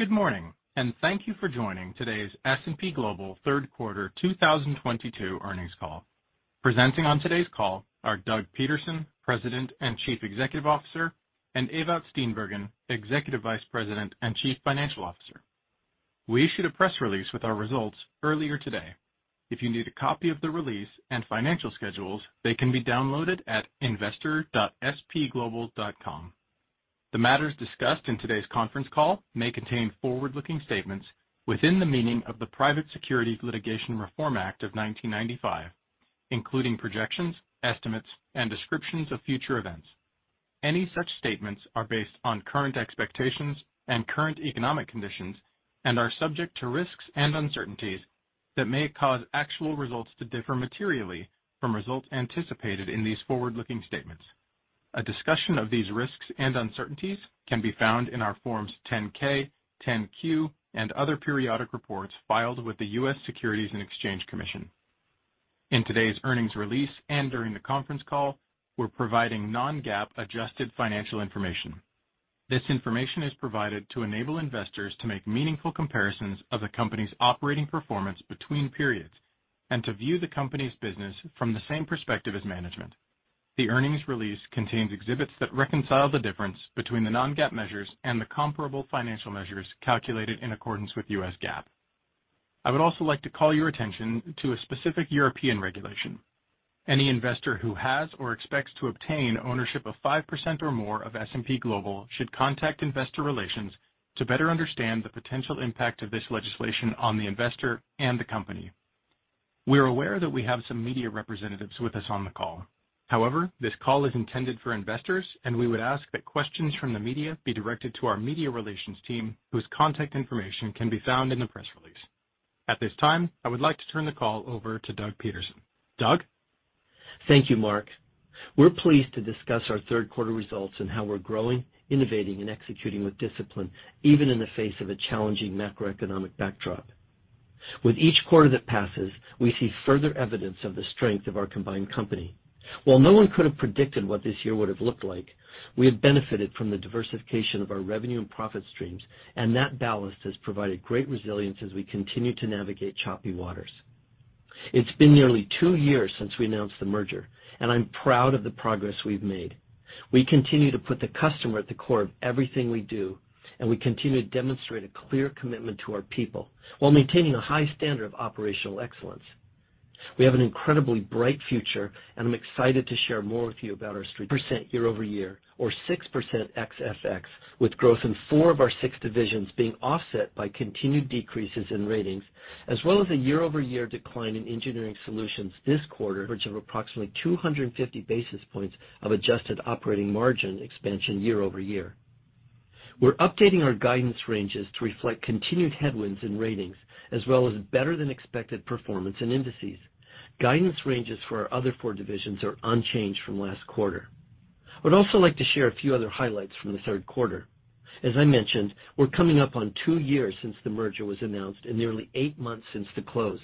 Good morning, and thank you for joining today's S&P Global Q3 2022 earnings call. Presenting on today's call are Doug Peterson, President and Chief Executive Officer, and Ewout Steenbergen, Executive Vice President and Chief Financial Officer. We issued a press release with our results earlier today. If you need a copy of the release and financial schedules, they can be downloaded at investor.spglobal.com. The matters discussed in today's conference call may contain forward-looking statements within the meaning of the Private Securities Litigation Reform Act of 1995, including projections, estimates, and descriptions of future events. Any such statements are based on current expectations and current economic conditions and are subject to risks and uncertainties that may cause actual results to differ materially from results anticipated in these forward-looking statements. A discussion of these risks and uncertainties can be found in our Forms 10-K, 10-Q, and other periodic reports filed with the U.S. Securities and Exchange Commission. In today's earnings release and during the conference call, we're providing non-GAAP adjusted financial information. This information is provided to enable investors to make meaningful comparisons of the company's operating performance between periods and to view the company's business from the same perspective as management. The earnings release contains exhibits that reconcile the difference between the non-GAAP measures and the comparable financial measures calculated in accordance with U.S. GAAP. I would also like to call your attention to a specific European regulation. Any investor who has or expects to obtain ownership of 5% or more of S&P Global should contact investor relations to better understand the potential impact of this legislation on the investor and the company. We're aware that we have some media representatives with us on the call. However, this call is intended for investors, and we would ask that questions from the media be directed to our media relations team, whose contact information can be found in the press release. At this time, I would like to turn the call over to Doug Peterson. Doug? Thank you, Mark. We're pleased to discuss our Q3 results and how we're growing, innovating, and executing with discipline, even in the face of a challenging macroeconomic backdrop. With each quarter that passes, we see further evidence of the strength of our combined company. While no one could have predicted what this year would have looked like, we have benefited from the diversification of our revenue and profit streams, and that ballast has provided great resilience as we continue to navigate choppy waters. It's been nearly two years since we announced the merger, and I'm proud of the progress we've made. We continue to put the customer at the core of everything we do, and we continue to demonstrate a clear commitment to our people while maintaining a high standard of operational excellence. We have an incredibly bright future, and I'm excited to share more with you about our 16% year-over-year or 6% ex-FX, with growth in 4 of our 6 divisions being offset by continued decreases in Ratings, as well as a year-over-year decline in Engineering Solutions this quarter, which is approximately 250 basis points of adjusted operating margin expansion year-over-year. We're updating our guidance ranges to reflect continued headwinds in Ratings as well as better than expected performance in Indices. Guidance ranges for our other 4 divisions are unchanged from last quarter. I would also like to share a few other highlights from the Q3. As I mentioned, we're coming up on 2 years since the merger was announced and nearly 8 months since the close.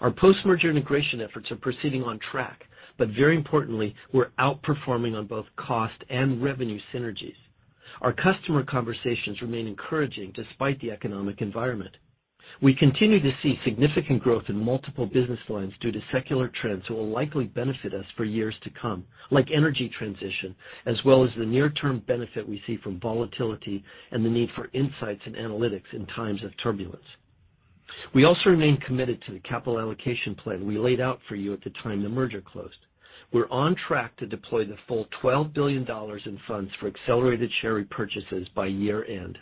Our post-merger integration efforts are proceeding on track, but very importantly, we're outperforming on both cost and revenue synergies. Our customer conversations remain encouraging despite the economic environment. We continue to see significant growth in multiple business lines due to secular trends that will likely benefit us for years to come, like energy transition, as well as the near-term benefit we see from volatility and the need for insights and analytics in times of turbulence. We also remain committed to the capital allocation plan we laid out for you at the time the merger closed. We're on track to deploy the full $12 billion in funds for accelerated share repurchases by year-end.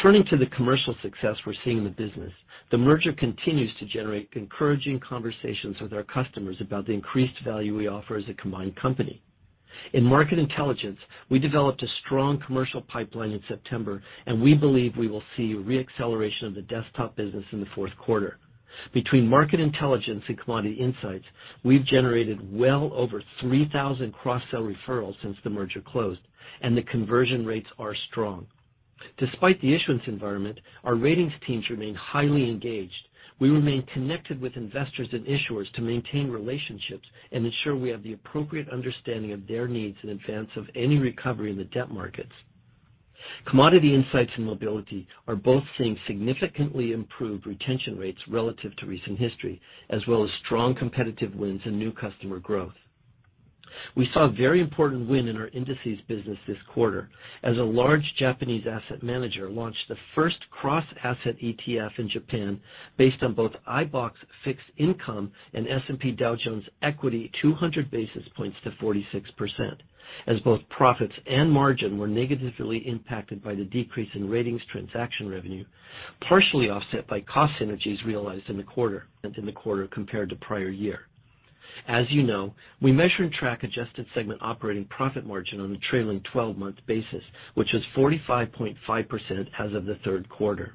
Turning to the commercial success we're seeing in the business, the merger continues to generate encouraging conversations with our customers about the increased value we offer as a combined company. In Market Intelligence, we developed a strong commercial pipeline in September, and we believe we will see a re-acceleration of the desktop business in the Q4. Between Market Intelligence and Commodity Insights, we've generated well over 3,000 cross-sell referrals since the merger closed, and the conversion rates are strong. Despite the issuance environment, our Ratings teams remain highly engaged. We remain connected with investors and issuers to maintain relationships and ensure we have the appropriate understanding of their needs in advance of any recovery in the debt markets. Commodity Insights and Mobility are both seeing significantly improved retention rates relative to recent history, as well as strong competitive wins and new customer growth. We saw a very important win in our indices business this quarter as a large Japanese asset manager launched the first cross-asset ETF in Japan based on both iBoxx fixed income and S&P Dow Jones equity. 200 basis points to 46%, as both profits and margin were negatively impacted by the decrease in ratings transaction revenue, partially offset by cost synergies realized in the quarter. As you know, we measure and track adjusted segment operating profit margin on a trailing 12-month basis, which was 45.5% as of the Q3.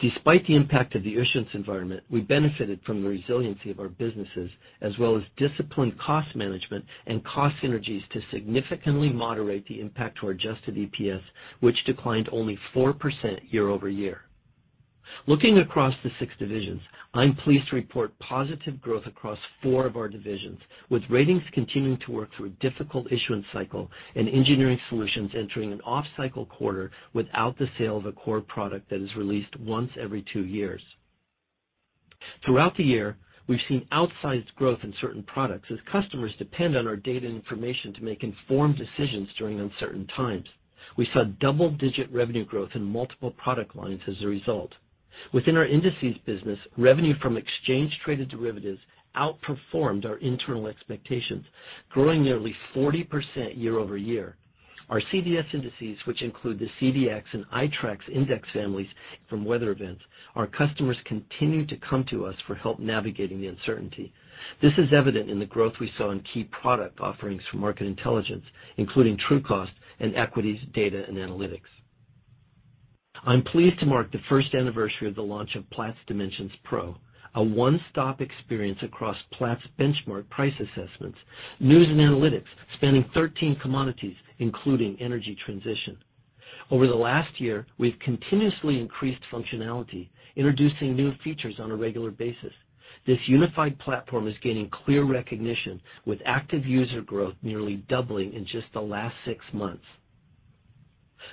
Despite the impact of the issuance environment, we benefited from the resiliency of our businesses as well as disciplined cost management and cost synergies to significantly moderate the impact to our adjusted EPS, which declined only 4% year-over-year. Looking across the six divisions, I'm pleased to report positive growth across four of our divisions, with Ratings continuing to work through a difficult issuance cycle and Engineering Solutions entering an off-cycle quarter without the sale of a core product that is released once every two years. Throughout the year, we've seen outsized growth in certain products as customers depend on our data and information to make informed decisions during uncertain times. We saw double-digit revenue growth in multiple product lines as a result. Within our Indices business, revenue from exchange-traded derivatives outperformed our internal expectations, growing nearly 40% year-over-year. Our CDS indices, which include the CDX and iTraxx index families. From weather events, our customers continue to come to us for help navigating the uncertainty. This is evident in the growth we saw in key product offerings for Market Intelligence, including Trucost and Equities, Data and Analytics. I'm pleased to mark the first anniversary of the launch of Platts Dimensions Pro, a one-stop experience across Platts benchmark price assessments, news and analytics spanning 13 commodities, including energy transition. Over the last year, we've continuously increased functionality, introducing new features on a regular basis. This unified platform is gaining clear recognition, with active user growth nearly doubling in just the last 6 months.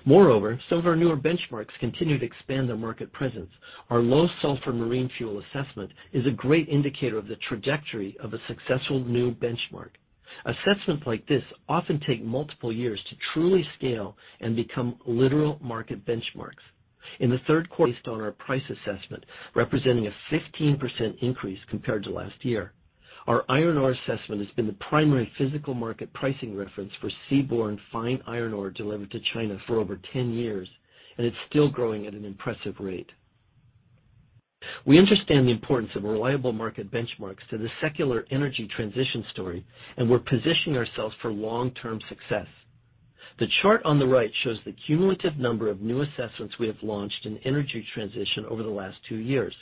Moreover, some of our newer benchmarks continue to expand their market presence. Our low sulfur marine fuel assessment is a great indicator of the trajectory of a successful new benchmark. Assessments like this often take multiple years to truly scale and become literal market benchmarks. In the Q3 based on our price assessment, representing a 15% increase compared to last year. Our iron ore assessment has been the primary physical market pricing reference for seaborne fine iron ore delivered to China for over 10 years, and it's still growing at an impressive rate. We understand the importance of reliable market benchmarks to the secular energy transition story, and we're positioning ourselves for long-term success. The chart on the right shows the cumulative number of new assessments we have launched in energy transition over the last 2 years.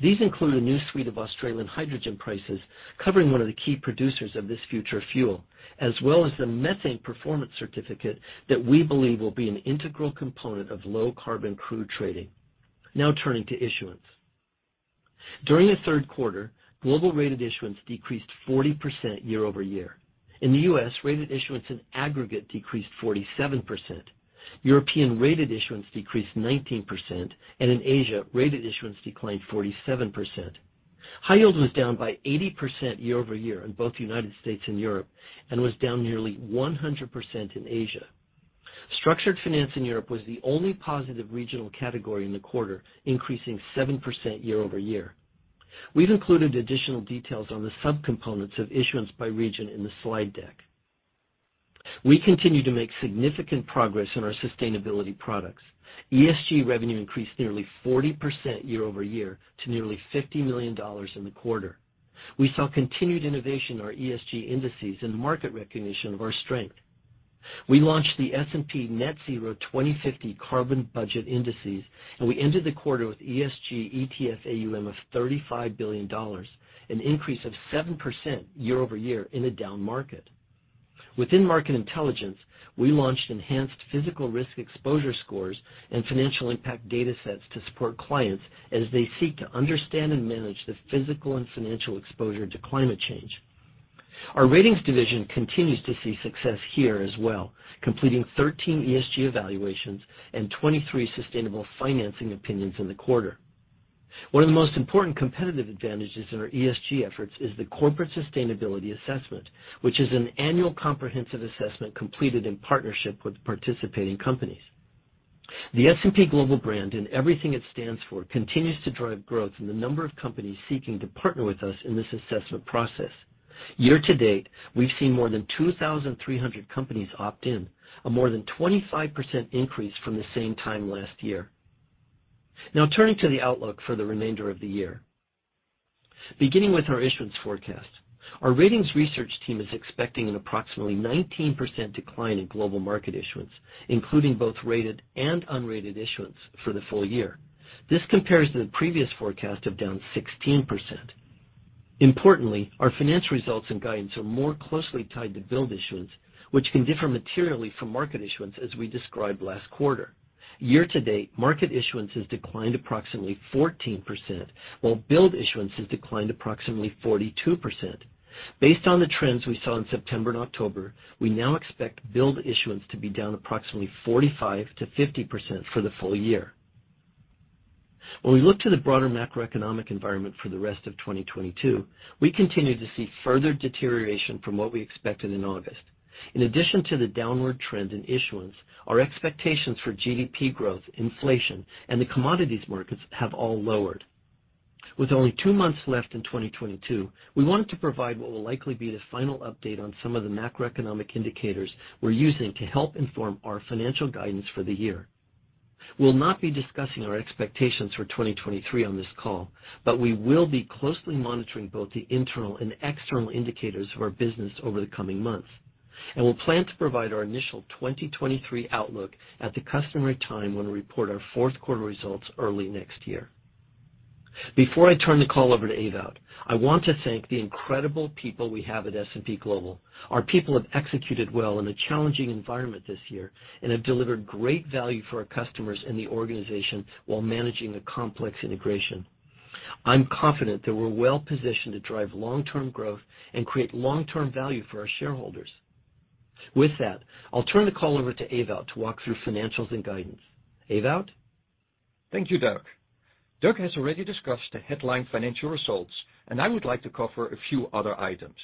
These include a new suite of Australian hydrogen prices, covering one of the key producers of this future fuel, as well as the Methane Performance Certificate that we believe will be an integral component of low carbon crude trading. Now turning to issuance. During the Q3, global rated issuance decreased 40% year-over-year. In the U.S., rated issuance in aggregate decreased 47%. European rated issuance decreased 19%, and in Asia, rated issuance declined 47%. High-yield was down by 80% year-over-year in both the United States and Europe and was down nearly 100% in Asia. Structured finance in Europe was the only positive regional category in the quarter, increasing 7% year-over-year. We've included additional details on the subcomponents of issuance by region in the slide deck. We continue to make significant progress in our sustainability products. ESG revenue increased nearly 40% year-over-year to nearly $50 million in the quarter. We saw continued innovation in our ESG indices and the market recognition of our strength. We launched the S&P Net Zero 2050 Carbon Budget Indices, and we ended the quarter with ESG ETF AUM of $35 billion, an increase of 7% year-over-year in a down market. Within Market Intelligence, we launched enhanced physical risk exposure scores and financial impact datasets to support clients as they seek to understand and manage the physical and financial exposure to climate change. Our Ratings division continues to see success here as well, completing 13 ESG evaluations and 23 sustainable financing opinions in the quarter. One of the most important competitive advantages in our ESG efforts is the corporate sustainability assessment, which is an annual comprehensive assessment completed in partnership with participating companies. The S&P Global brand and everything it stands for continues to drive growth in the number of companies seeking to partner with us in this assessment process. Year to date, we've seen more than 2,300 companies opt in, a more than 25% increase from the same time last year. Now turning to the outlook for the remainder of the year. Beginning with our issuance forecast, our Ratings research team is expecting an approximately 19% decline in global market issuance, including both rated and unrated issuance for the full year. This compares to the previous forecast of down 16%. Importantly, our finance results and guidance are more closely tied to billed issuance, which can differ materially from market issuance as we described last quarter. Year to date, market issuance has declined approximately 14%, while billed issuance has declined approximately 42%. Based on the trends we saw in September and October, we now expect billed issuance to be down approximately 45%-50% for the full year. When we look to the broader macroeconomic environment for the rest of 2022, we continue to see further deterioration from what we expected in August. In addition to the downward trend in issuance, our expectations for GDP growth, inflation, and the commodities markets have all lowered. With only two months left in 2022, we wanted to provide what will likely be the final update on some of the macroeconomic indicators we're using to help inform our financial guidance for the year. We'll not be discussing our expectations for 2023 on this call, but we will be closely monitoring both the internal and external indicators of our business over the coming months. We'll plan to provide our initial 2023 outlook at the customary time when we report our Q4 results early next year. Before I turn the call over to Ewout, I want to thank the incredible people we have at S&P Global. Our people have executed well in a challenging environment this year, and have delivered great value for our customers and the organization while managing a complex integration. I'm confident that we're well-positioned to drive long-term growth and create long-term value for our shareholders. With that, I'll turn the call over to Ewout to walk through financials and guidance. Ewout? Thank you, Doug. Doug has already discussed the headline financial results, and I would like to cover a few other items.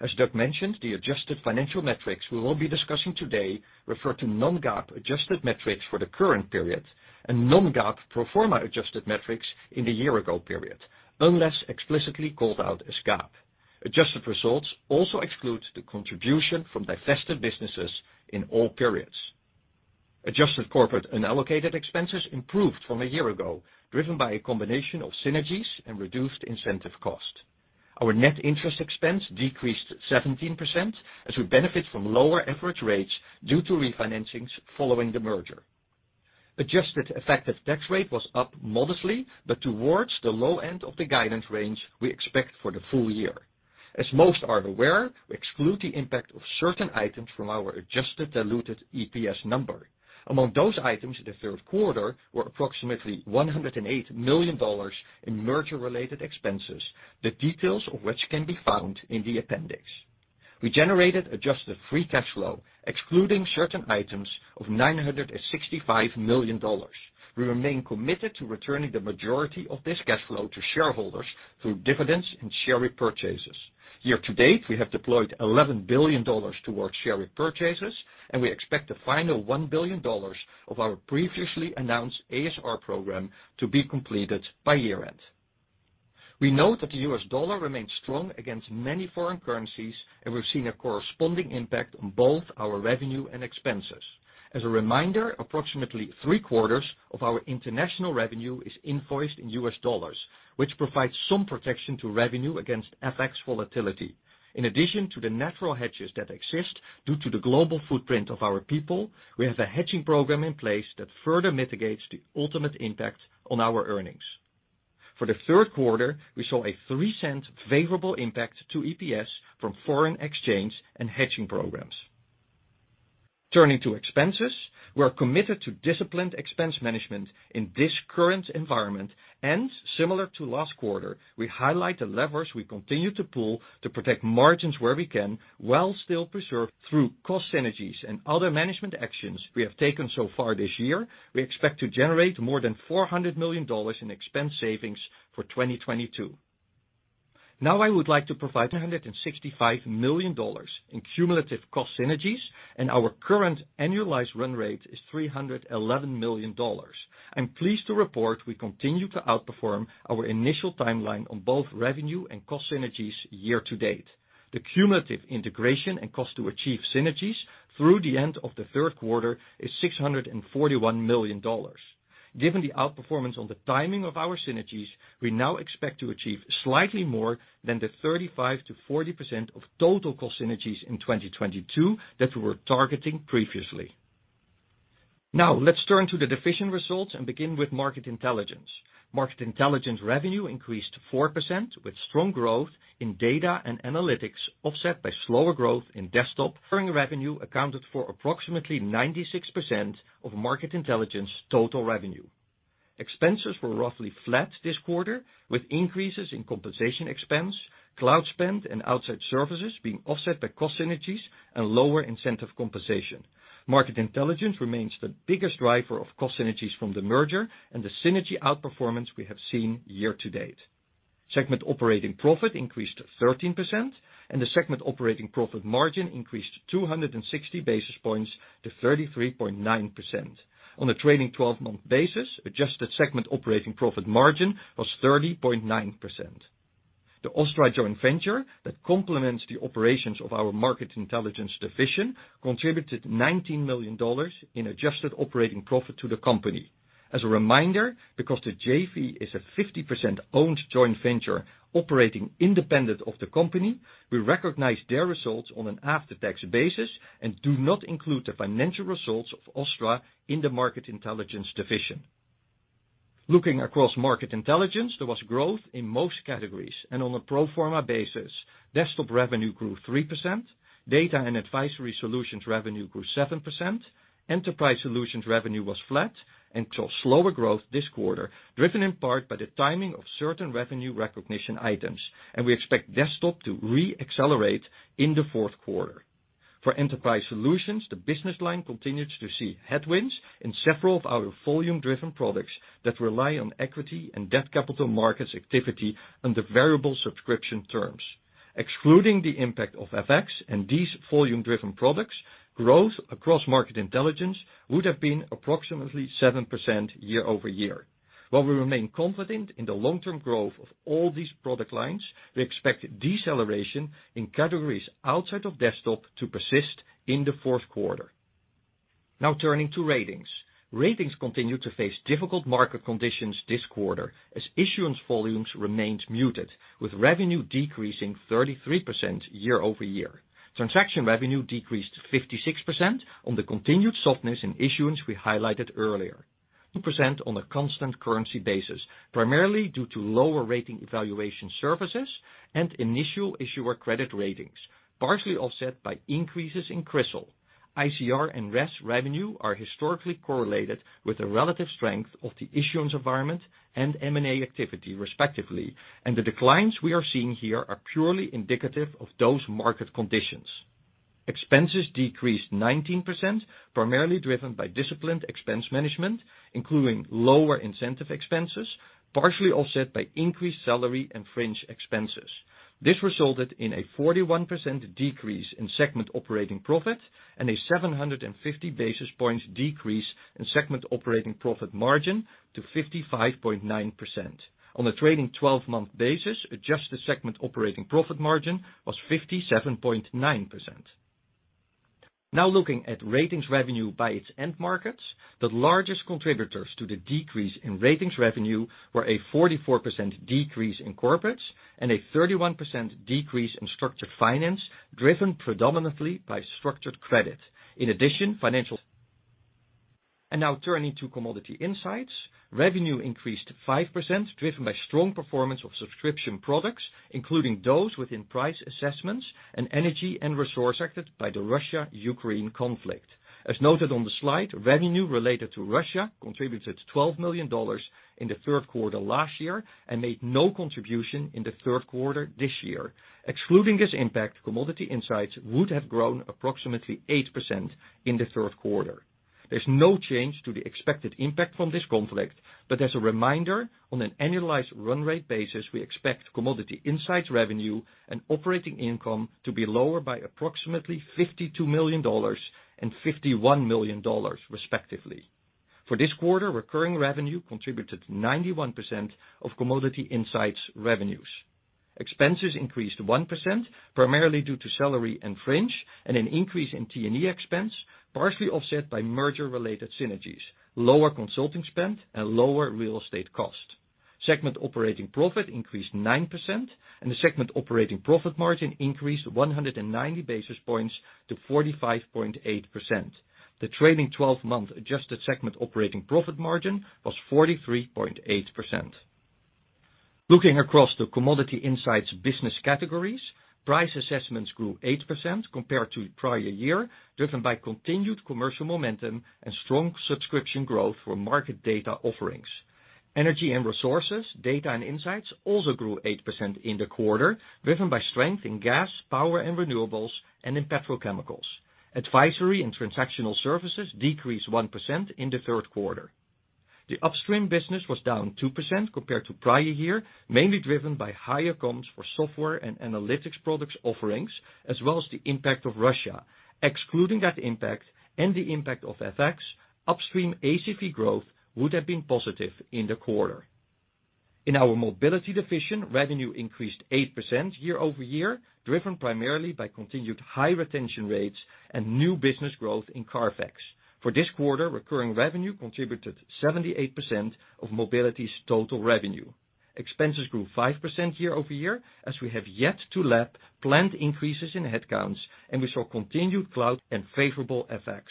As Doug mentioned, the adjusted financial metrics we will be discussing today refer to non-GAAP adjusted metrics for the current period and non-GAAP pro forma adjusted metrics in the year-ago period, unless explicitly called out as GAAP. Adjusted results also excludes the contribution from divested businesses in all periods. Adjusted corporate and allocated expenses improved from a year ago, driven by a combination of synergies and reduced incentive cost. Our net interest expense decreased 17% as we benefit from lower average rates due to refinancings following the merger. Adjusted effective tax rate was up modestly, but towards the low end of the guidance range we expect for the full year. As most are aware, we exclude the impact of certain items from our adjusted diluted EPS number. Among those items in the Q3 were approximately $108 million in merger-related expenses, the details of which can be found in the appendix. We generated adjusted free cash flow, excluding certain items of $965 million. We remain committed to returning the majority of this cash flow to shareholders through dividends and share repurchases. Year to date, we have deployed $11 billion towards share repurchases, and we expect the final $1 billion of our previously announced ASR program to be completed by year-end. We know that the US dollar remains strong against many foreign currencies, and we've seen a corresponding impact on both our revenue and expenses. As a reminder, approximately three-quarters of our international revenue is invoiced in US dollars, which provides some protection to revenue against FX volatility. In addition to the natural hedges that exist due to the global footprint of our people, we have a hedging program in place that further mitigates the ultimate impact on our earnings. For the Q3, we saw a $0.03 favorable impact to EPS from foreign exchange and hedging programs. Turning to expenses, we are committed to disciplined expense management in this current environment, and similar to last quarter, we highlight the levers we continue to pull to protect margins where we can, while still preserving through cost synergies and other management actions we have taken so far this year, we expect to generate more than $400 million in expense savings for 2022. Now I would like to provide $165 million in cumulative cost synergies, and our current annualized run rate is $311 million. I'm pleased to report we continue to outperform our initial timeline on both revenue and cost synergies year to date. The cumulative integration and cost to achieve synergies through the end of the Q3 is $641 million. Given the outperformance on the timing of our synergies, we now expect to achieve slightly more than the 35%-40% of total cost synergies in 2022 that we were targeting previously. Now let's turn to the division results and begin with Market Intelligence. Market Intelligence revenue increased 4% with strong growth in data and analytics, offset by slower growth in desktop. Recurring revenue accounted for approximately 96% of Market Intelligence total revenue. Expenses were roughly flat this quarter, with increases in compensation expense, cloud spend, and outside services being offset by cost synergies and lower incentive compensation. Market intelligence remains the biggest driver of cost synergies from the merger and the synergy outperformance we have seen year to date. Segment operating profit increased 13%, and the segment operating profit margin increased 260 basis points to 33.9%. On a trailing 12-month basis, adjusted segment operating profit margin was 30.9%. The Osttra joint venture that complements the operations of our market intelligence division contributed $19 million in adjusted operating profit to the company. As a reminder, because the JV is a 50% owned joint venture operating independent of the company, we recognize their results on an after-tax basis and do not include the financial results of Osttra in the market intelligence division. Looking across Market Intelligence, there was growth in most categories, and on a pro forma basis, Desktop revenue grew 3%, Data and Advisory Solutions revenue grew 7%, Enterprise Solutions revenue was flat and saw slower growth this quarter, driven in part by the timing of certain revenue recognition items. We expect Desktop to re-accelerate in the Q4. For Enterprise Solutions, the business line continues to see headwinds in several of our volume-driven products that rely on equity and debt capital markets activity under variable subscription terms. Excluding the impact of FX and these volume-driven products, growth across Market Intelligence would have been approximately 7% year-over-year. While we remain confident in the long-term growth of all these product lines, we expect deceleration in categories outside of Desktop to persist in the Q4. Now turning to Ratings. Ratings continued to face difficult market conditions this quarter as issuance volumes remained muted, with revenue decreasing 33% year over year. Transaction revenue decreased 56% on the continued softness in issuance we highlighted earlier, 2% on a constant currency basis, primarily due to lower rating evaluation services and initial issuer credit ratings, partially offset by increases in Crystal. ICR and RES revenue are historically correlated with the relative strength of the issuance environment and M&A activity respectively. The declines we are seeing here are purely indicative of those market conditions. Expenses decreased 19%, primarily driven by disciplined expense management, including lower incentive expenses, partially offset by increased salary and fringe expenses. This resulted in a 41% decrease in segment operating profit and a 750 basis points decrease in segment operating profit margin to 55.9%. On a trailing 12-month basis, adjusted segment operating profit margin was 57.9%. Now looking at ratings revenue by its end markets, the largest contributors to the decrease in ratings revenue were a 44% decrease in corporates and a 31% decrease in structured finance, driven predominantly by structured credit. Now turning to commodity insights. Revenue increased 5%, driven by strong performance of subscription products, including those within price assessments and energy and resource sectors by the Russia-Ukraine conflict. As noted on the slide, revenue related to Russia contributed $12 million in the Q3 last year and made no contribution in the Q3 this year. Excluding this impact, commodity insights would have grown approximately 8% in the Q3. There's no change to the expected impact from this conflict, but as a reminder, on an annualized run rate basis, we expect Commodity Insights revenue and operating income to be lower by approximately $52 million and $51 million respectively. For this quarter, recurring revenue contributed 91% of Commodity Insights revenues. Expenses increased 1%, primarily due to salary and fringe, and an increase in T&E expense, partially offset by merger-related synergies, lower consulting spend and lower real estate cost. Segment operating profit increased 9%, and the segment operating profit margin increased 190 basis points to 45.8%. The trailing 12-month adjusted segment operating profit margin was 43.8%. Looking across the Commodity Insights business categories, price assessments grew 8% compared to the prior year, driven by continued commercial momentum and strong subscription growth for market data offerings. Energy and resources, data and insights also grew 8% in the quarter, driven by strength in gas, power and renewables and in petrochemicals. Advisory and transactional services decreased 1% in the Q3. The upstream business was down 2% compared to prior year, mainly driven by higher comps for software and analytics products offerings, as well as the impact of Russia. Excluding that impact and the impact of FX, upstream ACV growth would have been positive in the quarter. In our mobility division, revenue increased 8% year-over-year, driven primarily by continued high retention rates and new business growth in CARFAX. For this quarter, recurring revenue contributed 78% of mobility's total revenue. Expenses grew 5% year-over-year as we have yet to lap planned increases in headcounts, and we saw continued cloud and favorable FX.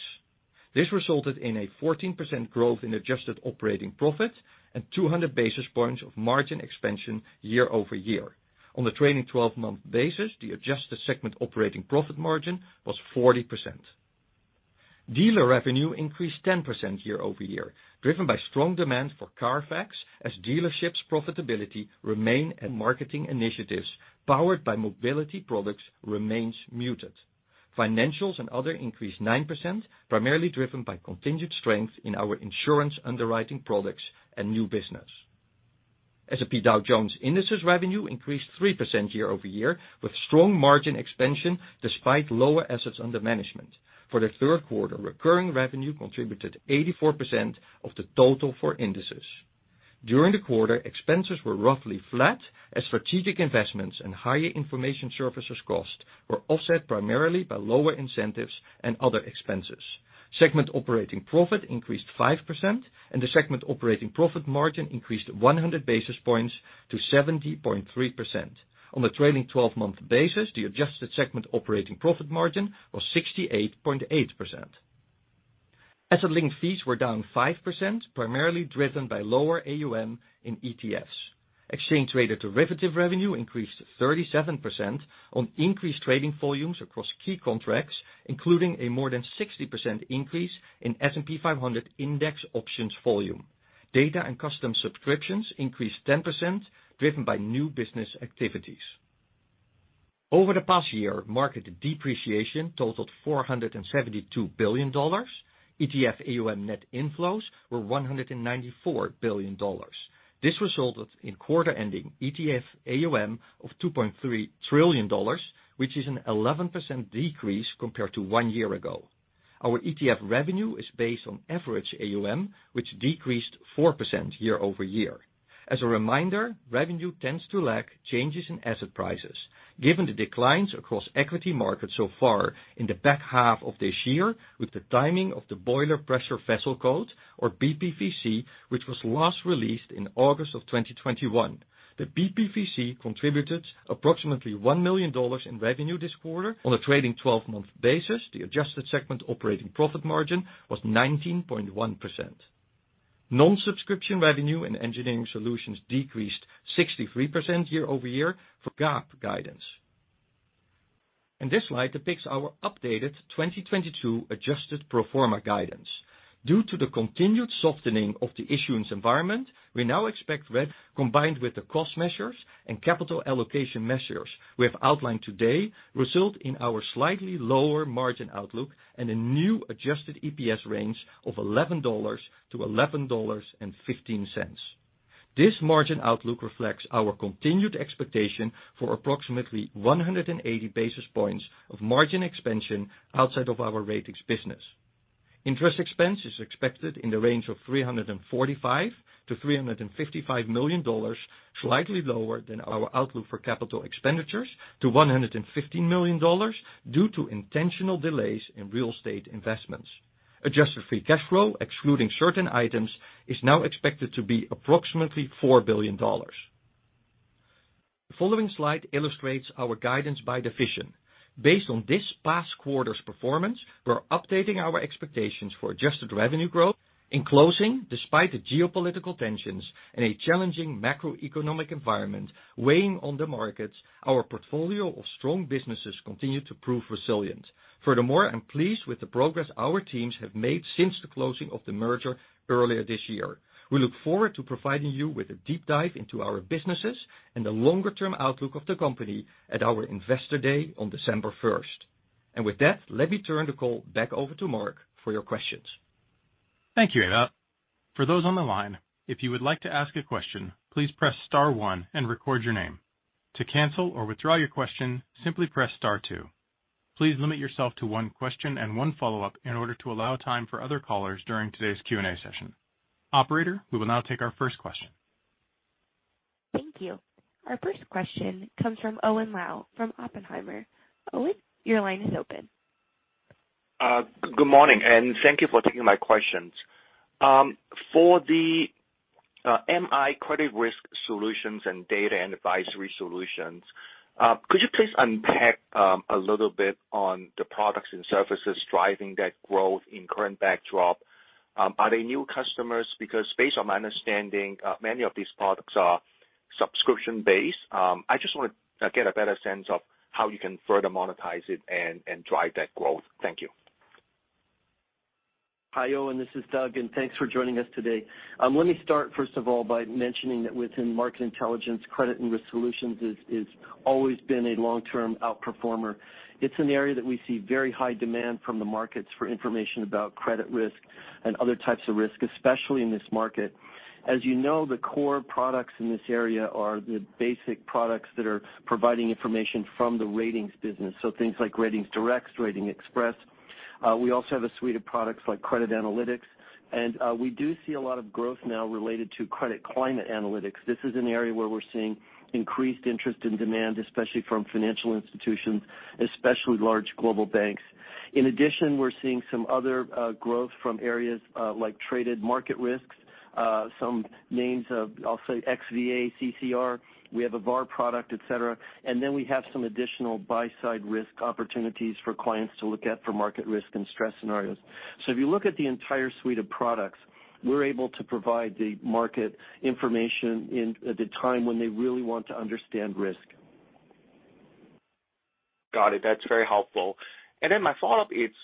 This resulted in a 14% growth in adjusted operating profit and 200 basis points of margin expansion year-over-year. On the trailing 12-month basis, the adjusted segment operating profit margin was 40%. Dealer revenue increased 10% year-over-year, driven by strong demand for CARFAX as dealerships' profitability remains high. Marketing initiatives powered by mobility products remain muted. Financials and other increased 9%, primarily driven by continued strength in our insurance underwriting products and new business. S&P Dow Jones Indices revenue increased 3% year-over-year, with strong margin expansion despite lower assets under management. For the Q3, recurring revenue contributed 84% of the total for indices. During the quarter, expenses were roughly flat as strategic investments and higher information services costs were offset primarily by lower incentives and other expenses. Segment operating profit increased 5%, and the segment operating profit margin increased 100 basis points to 70.3%. On the trailing 12-month basis, the adjusted segment operating profit margin was 68.8%. Asset link fees were down 5%, primarily driven by lower AUM in ETFs. Exchange-traded derivative revenue increased 37% on increased trading volumes across key contracts, including a more than 60% increase in S&P 500 index options volume. Data and custom subscriptions increased 10% driven by new business activities. Over the past year, market depreciation totaled $472 billion. ETF AUM net inflows were $194 billion. This resulted in quarter-ending ETF AUM of $2.3 trillion, which is an 11% decrease compared to one year ago. Our ETF revenue is based on average AUM, which decreased 4% year-over-year. As a reminder, revenue tends to lag changes in asset prices. Given the declines across equity markets so far in the back half of this year with the timing of the Boiler and Pressure Vessel Code, or BPVC, which was last released in August 2021. The BPVC contributed approximately $1 million in revenue this quarter. On a trading 12-month basis, the adjusted segment operating profit margin was 19.1%. Non-subscription revenue in engineering solutions decreased 63% year-over-year for GAAP guidance. This slide depicts our updated 2022 adjusted pro forma guidance. Due to the continued softening of the issuance environment, we now expect, combined with the cost measures and capital allocation measures we have outlined today, result in our slightly lower margin outlook and a new adjusted EPS range of $11 to $11.15. This margin outlook reflects our continued expectation for approximately 180 basis points of margin expansion outside of our ratings business. Interest expense is expected in the range of $345 - 355 million, slightly lower than our outlook for capital expenditures to $115 million due to intentional delays in real estate investments. Adjusted free cash flow, excluding certain items, is now expected to be approximately $4 billion. The following slide illustrates our guidance by division. Based on this past quarter's performance, we're updating our expectations for adjusted revenue growth. In closing, despite the geopolitical tensions and a challenging macroeconomic environment weighing on the markets, our portfolio of strong businesses continue to prove resilient. Furthermore, I'm pleased with the progress our teams have made since the closing of the merger earlier this year. We look forward to providing you with a deep dive into our businesses and the longer-term outlook of the company at our Investor Day on December 1. With that, let me turn the call back over to Mark for your questions. Thank you, Ewout. For those on the line, if you would like to ask a question, please press star one and record your name. To cancel or withdraw your question, simply press star two. Please limit yourself to one question and one follow-up in order to allow time for other callers during today's Q&A session. Operator, we will now take our first question. Thank you. Our first question comes from Owen Lau from Oppenheimer. Owen, your line is open. Good morning, and thank you for taking my questions. For the MI credit risk solutions and data and advisory solutions, could you please unpack a little bit on the products and services driving that growth in current backdrop? Are they new customers? Because based on my understanding, many of these products are subscription-based. I just want to get a better sense of how you can further monetize it and drive that growth. Thank you. Hi, Owen, this is Doug, and thanks for joining us today. Let me start, first of all, by mentioning that within Market Intelligence, credit and risk solutions is always been a long-term outperformer. It's an area that we see very high demand from the markets for information about credit risk and other types of risk, especially in this market. As you know, the core products in this area are the basic products that are providing information from the ratings business, so things like RatingsDirect, RatingsXpress. We also have a suite of products like Credit Analytics. We do see a lot of growth now related to credit climate analytics. This is an area where we're seeing increased interest and demand, especially from financial institutions, especially large global banks. In addition, we're seeing some other growth from areas like traded market risks, namely XVA, CCR. We have a VaR product, et cetera. We have some additional buy-side risk opportunities for clients to look at for market risk and stress scenarios. If you look at the entire suite of products, we're able to provide the market information in real time when they really want to understand risk. Got it. That's very helpful. Then my follow-up, it's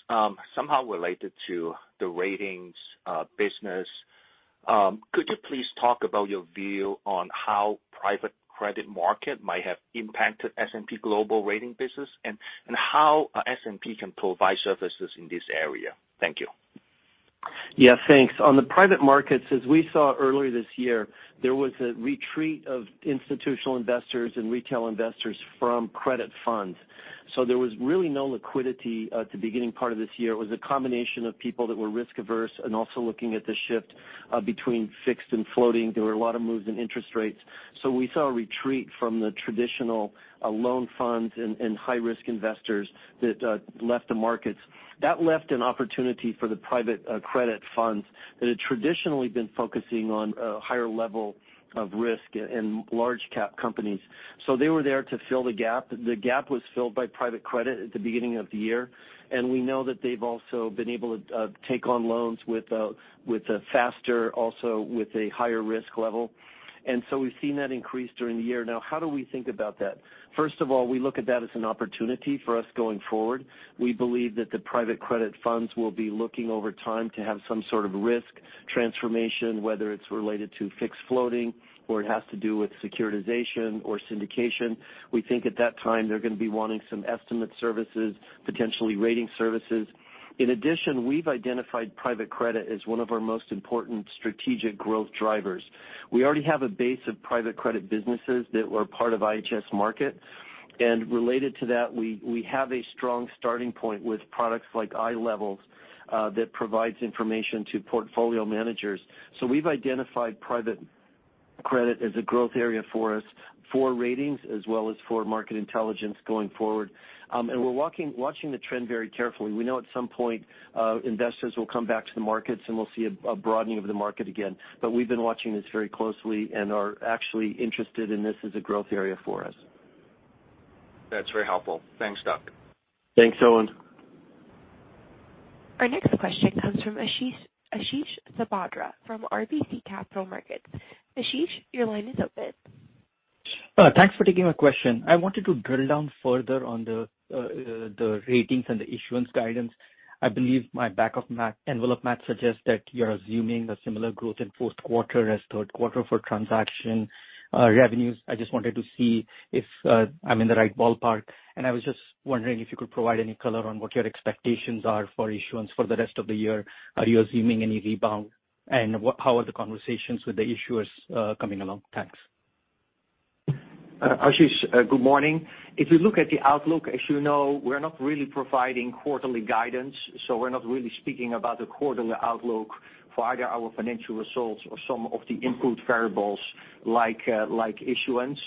somehow related to the ratings business. Could you please talk about your view on how private credit market might have impacted S&P Global Ratings business and how S&P can provide services in this area? Thank you. Yeah, thanks. On the private markets, as we saw earlier this year, there was a retreat of institutional investors and retail investors from credit funds. There was really no liquidity at the beginning part of this year. It was a combination of people that were risk averse and also looking at the shift between fixed and floating. There were a lot of moves in interest rates. We saw a retreat from the traditional loan funds and high-risk investors that left the markets. That left an opportunity for the private credit funds that had traditionally been focusing on a higher level of risk in large cap companies. They were there to fill the gap. The gap was filled by private credit at the beginning of the year, and we know that they've also been able to take on loans with a faster, also with a higher risk level. We've seen that increase during the year. Now, how do we think about that? First of all, we look at that as an opportunity for us going forward. We believe that the private credit funds will be looking over time to have some sort of risk transformation, whether it's related to fixed floating or it has to do with securitization or syndication. We think at that time, they're going to be wanting some assessment services, potentially rating services. In addition, we've identified private credit as one of our most important strategic growth drivers. We already have a base of private credit businesses that were part of IHS Markit. Related to that, we have a strong starting point with products like iLevel that provides information to portfolio managers. We've identified private credit as a growth area for us for ratings as well as for market intelligence going forward. We're watching the trend very carefully. We know at some point investors will come back to the markets, and we'll see a broadening of the market again. We've been watching this very closely and are actually interested in this as a growth area for us. That's very helpful. Thanks, Doug. Thanks, Owen. Our next question comes from Ashish Sabadra from RBC Capital Markets. Ashish, your line is open. Thanks for taking my question. I wanted to drill down further on the ratings and the issuance guidance. I believe my back-of-the-envelope math suggests that you're assuming a similar growth in Q4 as Q3 for transaction revenues. I just wanted to see if I'm in the right ballpark. I was just wondering if you could provide any color on what your expectations are for issuance for the rest of the year. Are you assuming any rebound? How are the conversations with the issuers coming along? Thanks. Ashish, good morning. If you look at the outlook, as you know, we're not really providing quarterly guidance, so we're not really speaking about the quarterly outlook for either our financial results or some of the input variables like issuance.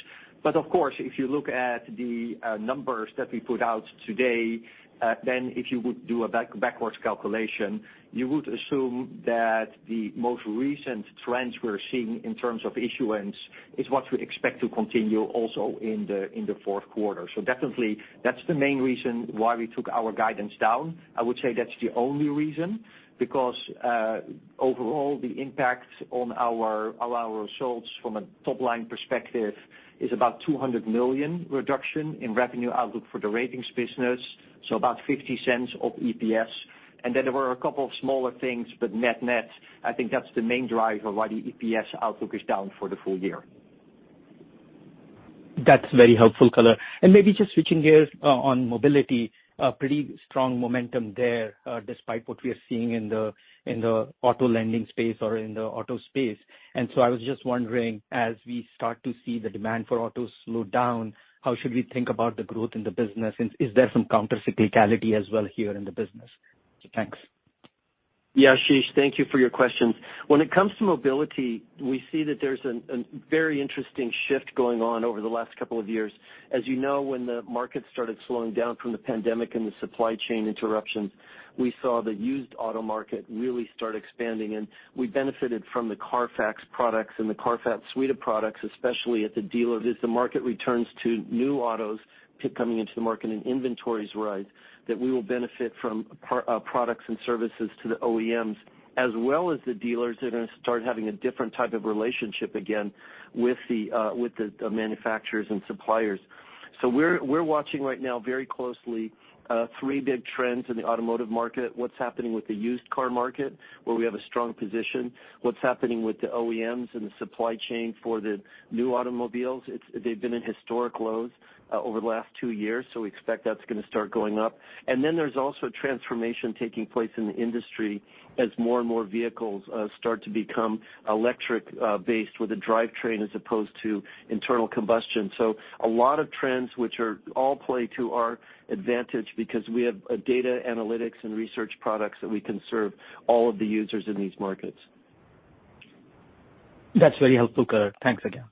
Of course, if you look at the numbers that we put out today, then if you would do a backwards calculation, you would assume that the most recent trends we're seeing in terms of issuance is what we expect to continue also in the Q4. Definitely that's the main reason why we took our guidance down. I would say that's the only reason because overall the impact on our results from a top-line perspective is about $200 million reduction in revenue outlook for the ratings business, so about $0.50 of EPS. There were a couple of smaller things, but net-net, I think that's the main driver why the EPS outlook is down for the full year. That's very helpful color. Maybe just switching gears on Mobility, a pretty strong momentum there, despite what we are seeing in the auto lending space or in the auto space. I was just wondering, as we start to see the demand for autos slow down, how should we think about the growth in the business? Is there some countercyclicality as well here in the business? Thanks. Yeah, Ashish, thank you for your questions. When it comes to mobility, we see that there's a very interesting shift going on over the last couple of years. As you know, when the market started slowing down from the pandemic and the supply chain interruptions, we saw the used auto market really start expanding, and we benefited from the CARFAX products and the CARFAX suite of products, especially at the dealer. As the market returns to new autos coming into the market and inventories rise, that we will benefit from products and services to the OEMs as well as the dealers are gonna start having a different type of relationship again with the manufacturers and suppliers. We're watching right now very closely three big trends in the automotive market. What's happening with the used car market, where we have a strong position. What's happening with the OEMs and the supply chain for the new automobiles. They've been at historic lows over the last two years, so we expect that's gonna start going up. Then there's also transformation taking place in the industry as more and more vehicles start to become electric based with a drivetrain as opposed to internal combustion. A lot of trends which are all play to our advantage because we have data analytics and research products that we can serve all of the users in these markets. That's very helpful, Doug. Thanks again.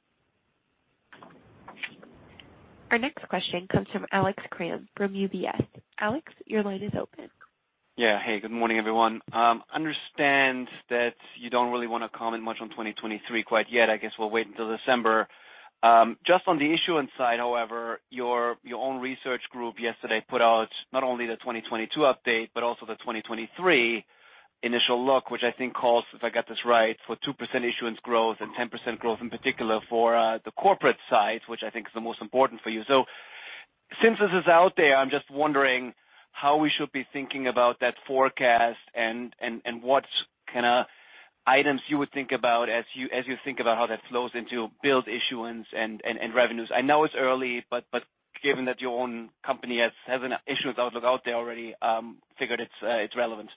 Our next question comes from Alex Kramm from UBS. Alex, your line is open. Yeah. Hey, good morning, everyone. I understand that you don't really wanna comment much on 2023 quite yet. I guess we'll wait until December. Just on the issuance side, however, your own research group yesterday put out not only the 2022 update, but also the 2023 initial look, which I think calls, if I got this right, for 2% issuance growth and 10% growth in particular for the corporate side, which I think is the most important for you. Since this is out there, I'm just wondering how we should be thinking about that forecast and what kinda items you would think about as you think about how that flows into Billed Issuance and revenues. I know it's early, but given that your own company has an issuance outlook out there already, figured it's relevant.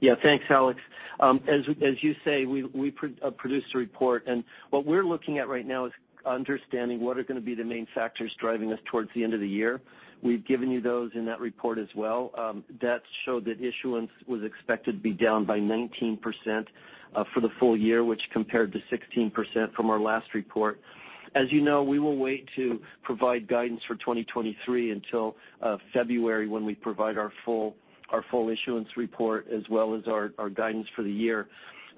Yeah. Thanks, Alex. As you say, we produced a report, and what we're looking at right now is understanding what are gonna be the main factors driving us towards the end of the year. We've given you those in that report as well. That showed that issuance was expected to be down by 19% for the full year, which compared to 16% from our last report. As you know, we will wait to provide guidance for 2023 until February when we provide our full issuance report as well as our guidance for the year.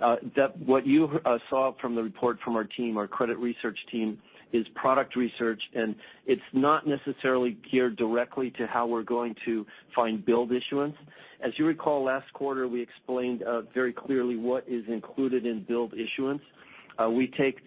That, what you saw from the report from our team, our credit research team, is product research, and it's not necessarily geared directly to how we're going to find Billed Issuance. As you recall, last quarter, we explained very clearly what is included in Billed Issuance. We take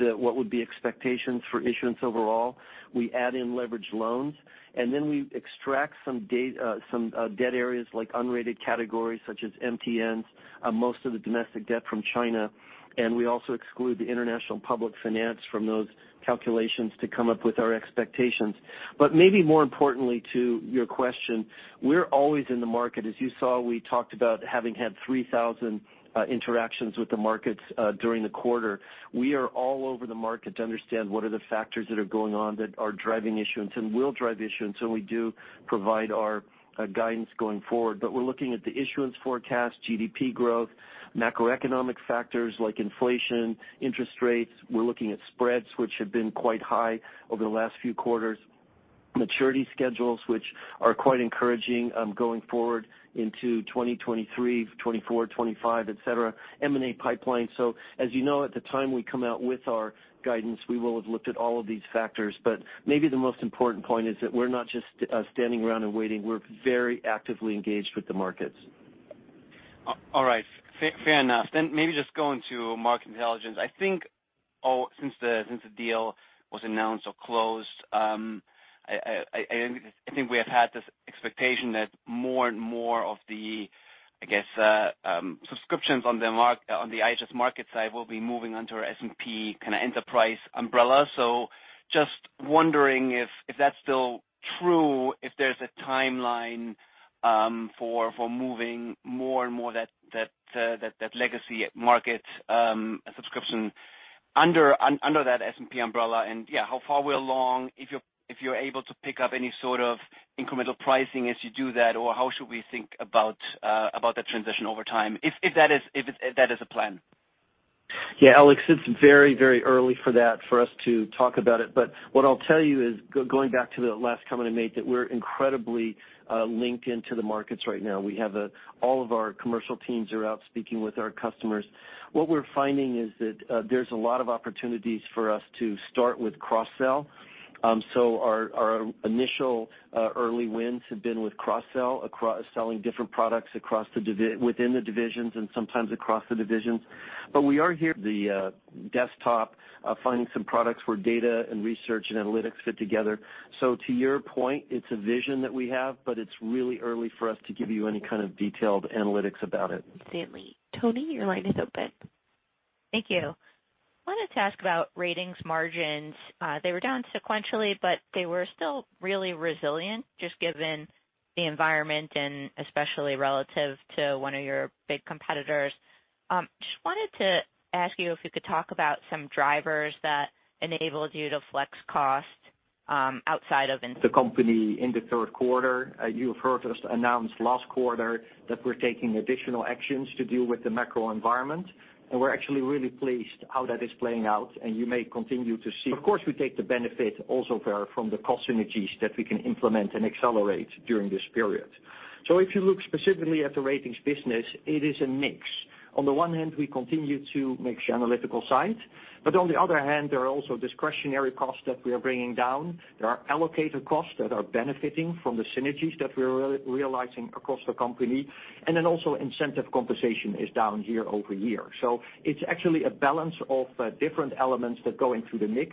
what would be expectations for issuance overall. We add in leveraged loans, and then we extract some debt areas like unrated categories such as MTNs, most of the domestic debt from China, and we also exclude the international public finance from those calculations to come up with our expectations. Maybe more importantly to your question, we're always in the market. As you saw, we talked about having had 3,000 interactions with the markets during the quarter. We are all over the market to understand what are the factors that are going on that are driving issuance and will drive issuance, and we do provide our guidance going forward. We're looking at the issuance forecast, GDP growth, macroeconomic factors like inflation, interest rates. We're looking at spreads, which have been quite high over the last few quarters. Maturity schedules, which are quite encouraging, going forward into 2023, 2024, 2025, et cetera. M&A pipeline. As you know, at the time we come out with our guidance, we will have looked at all of these factors. Maybe the most important point is that we're not just standing around and waiting. We're very actively engaged with the markets. All right. Fair enough. Maybe just going to market intelligence. I think since the deal was announced or closed, I think we have had this expectation that more and more of the, I guess, subscriptions on the IHS Markit side will be moving onto our S&P kind of enterprise umbrella. Just wondering if that's still true, if there's a timeline, for moving more and more that legacy market subscription under that S&P umbrella. Yeah, how far we're along, if you're able to pick up any sort of incremental pricing as you do that, or how should we think about the transition over time, if that is a plan. Yeah, Alex, it's very, very early for that for us to talk about it. What I'll tell you is going back to the last comment I made, that we're incredibly linked into the markets right now. We have all of our commercial teams are out speaking with our customers. What we're finding is that there's a lot of opportunities for us to start with cross-sell. Our initial early wins have been with cross-sell, selling different products within the divisions and sometimes across the divisions. We are hitting the desktop, finding some products where data and research and analytics fit together. To your point, it's a vision that we have, but it's really early for us to give you any kind of detailed analytics about it. Stanley. Toni, your line is open. Thank you. Wanted to ask about ratings margins. They were down sequentially, but they were still really resilient, just given the environment and especially relative to one of your big competitors. Just wanted to ask you if you could talk about some drivers that enabled you to flex cost, outside of- The company in the Q3. You have heard us announce last quarter that we're taking additional actions to deal with the macro environment, and we're actually really pleased how that is playing out, and you may continue to see. Of course, we take the benefit also there from the cost synergies that we can implement and accelerate during this period. If you look specifically at the ratings business, it is a mix. On the one hand, we continue to invest in the analytical side, but on the other hand, there are also discretionary costs that we are bringing down. There are allocated costs that are benefiting from the synergies that we're realizing across the company. Then also incentive compensation is down year-over-year. It's actually a balance of different elements that go into the mix.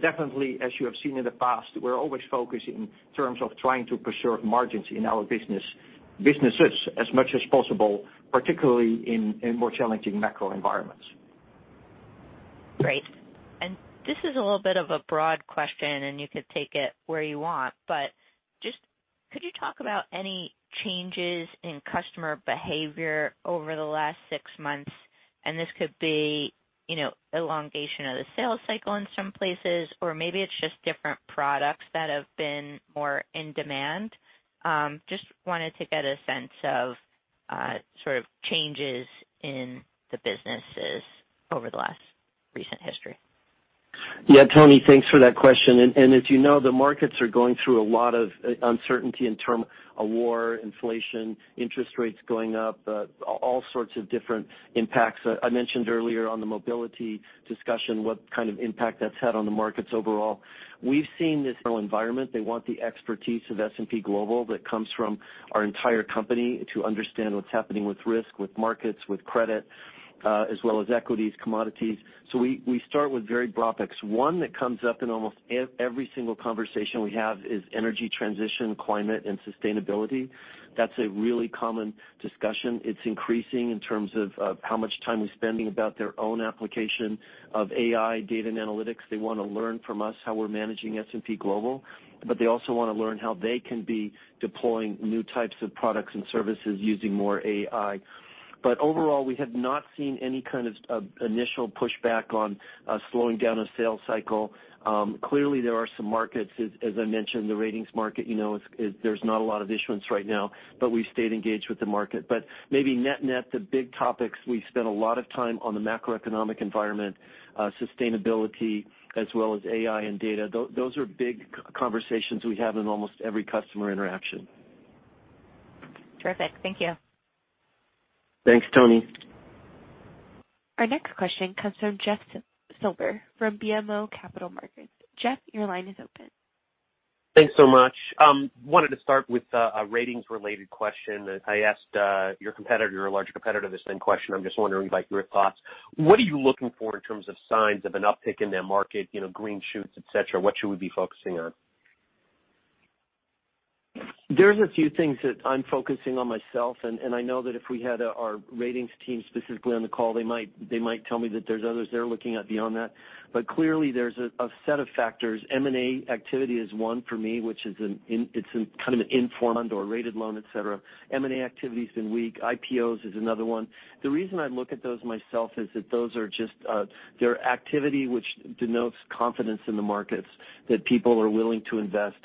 Definitely, as you have seen in the past, we're always focused in terms of trying to preserve margins in our businesses as much as possible, particularly in more challenging macro environments. Great. This is a little bit of a broad question, and you could take it where you want, but just could you talk about any changes in customer behavior over the last six months? This could be, you know, elongation of the sales cycle in some places, or maybe it's just different products that have been more in demand. Just wanted to get a sense of, sort of changes in the businesses over the last recent history. Yeah. Toni, thanks for that question. As you know, the markets are going through a lot of uncertainty in terms of war, inflation, interest rates going up, all sorts of different impacts. I mentioned earlier on the mobility discussion what kind of impact that's had on the markets overall. We've seen this environment. They want the expertise of S&P Global that comes from our entire company to understand what's happening with risk, with markets, with credit, as well as equities, commodities. We start with very broad picks. One that comes up in almost every single conversation we have is energy transition, climate, and sustainability. That's a really common discussion. It's increasing in terms of how much time we're spending on their own application of AI data and analytics. They want to learn from us how we're managing S&P Global, but they also want to learn how they can be deploying new types of products and services using more AI. Overall, we have not seen any kind of initial pushback on slowing down a sales cycle. Clearly, there are some markets, as I mentioned, the ratings market, you know, there's not a lot of issuance right now, but we stayed engaged with the market. Maybe net-net, the big topics, we spent a lot of time on the macroeconomic environment, sustainability as well as AI and data. Those are big conversations we have in almost every customer interaction. Terrific. Thank you. Thanks, Toni. Our next question comes from Jeff Silber from BMO Capital Markets. Jeff, your line is open. Thanks so much. Wanted to start with a ratings related question. I asked your competitor, your larger competitor, the same question. I'm just wondering, like, your thoughts. What are you looking for in terms of signs of an uptick in that market, you know, green shoots, et cetera? What should we be focusing on? There's a few things that I'm focusing on myself, and I know that if we had our ratings team specifically on the call, they might tell me that there's others they're looking at beyond that. Clearly, there's a set of factors. M&A activity is one for me, which is an indicator of rated loan, et cetera. M&A activity has been weak. IPOs is another one. The reason I look at those myself is that those are just they are activities which denotes confidence in the markets that people are willing to invest.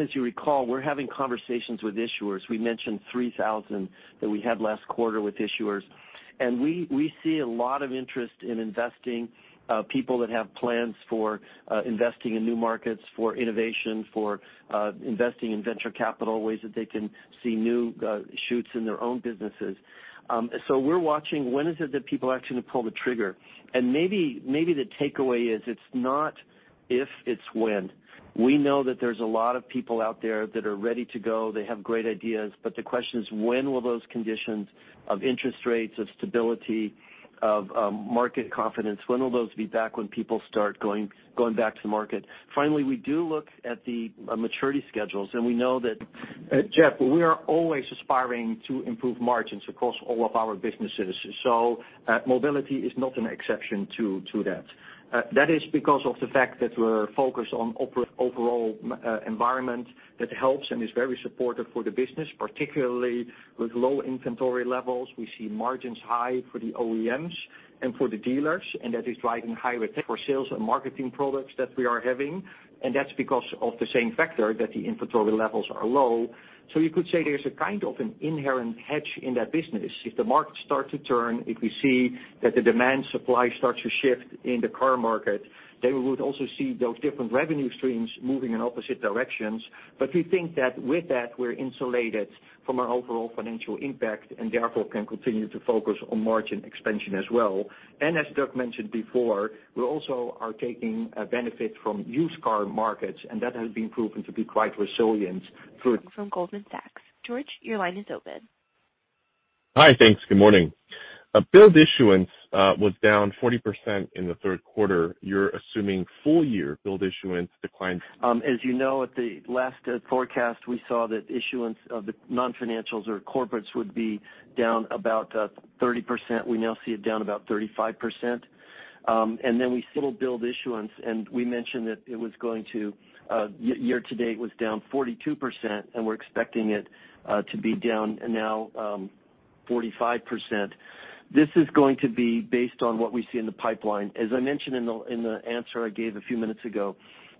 As you recall, we're having conversations with issuers. We mentioned 3,000 that we had last quarter with issuers. We see a lot of interest in investing. People that have plans for investing in new markets for innovation, for investing in venture capital ways that they can see new shoots in their own businesses. We're watching when is it that people actually pull the trigger. Maybe the takeaway is it's not if, it's when. We know that there's a lot of people out there that are ready to go. They have great ideas. The question is, when will those conditions of interest rates, of stability, of market confidence, when will those be back when people start going back to market? Finally, we do look at the maturity schedules, and we know that, Jeff, we are always aspiring to improve margins across all of our businesses. Mobility is not an exception to that. That is because of the fact that we're focused on overall environment that helps and is very supportive for the business, particularly with low inventory levels. We see margins high for the OEMs and for the dealers, and that is driving higher for sales and marketing products that we are having. That's because of the same factor that the inventory levels are low. You could say there's a kind of an inherent hedge in that business. If the market starts to turn, if we see that the demand supply starts to shift in the car market, then we would also see those different revenue streams moving in opposite directions. We think that with that, we're insulated from our overall financial impact and therefore can continue to focus on margin expansion as well. As Doug mentioned before, we also are taking a benefit from used car markets, and that has been proven to be quite resilient through- From Goldman Sachs. George, your line is open. Hi. Thanks. Good morning. Billed Issuance was down 20% in the Q3. You're assuming full year Billed Issuance declines. As you know, at the last forecast, we saw that issuance of the non-financials or corporates would be down about 30%. We now see it down about 35%. We see Billed Issuance, and we mentioned that year-to-date was down 42%, and we're expecting it to be down now 45%. This is going to be based on what we see in the pipeline. As I mentioned in the answer I gave a few minutes ago,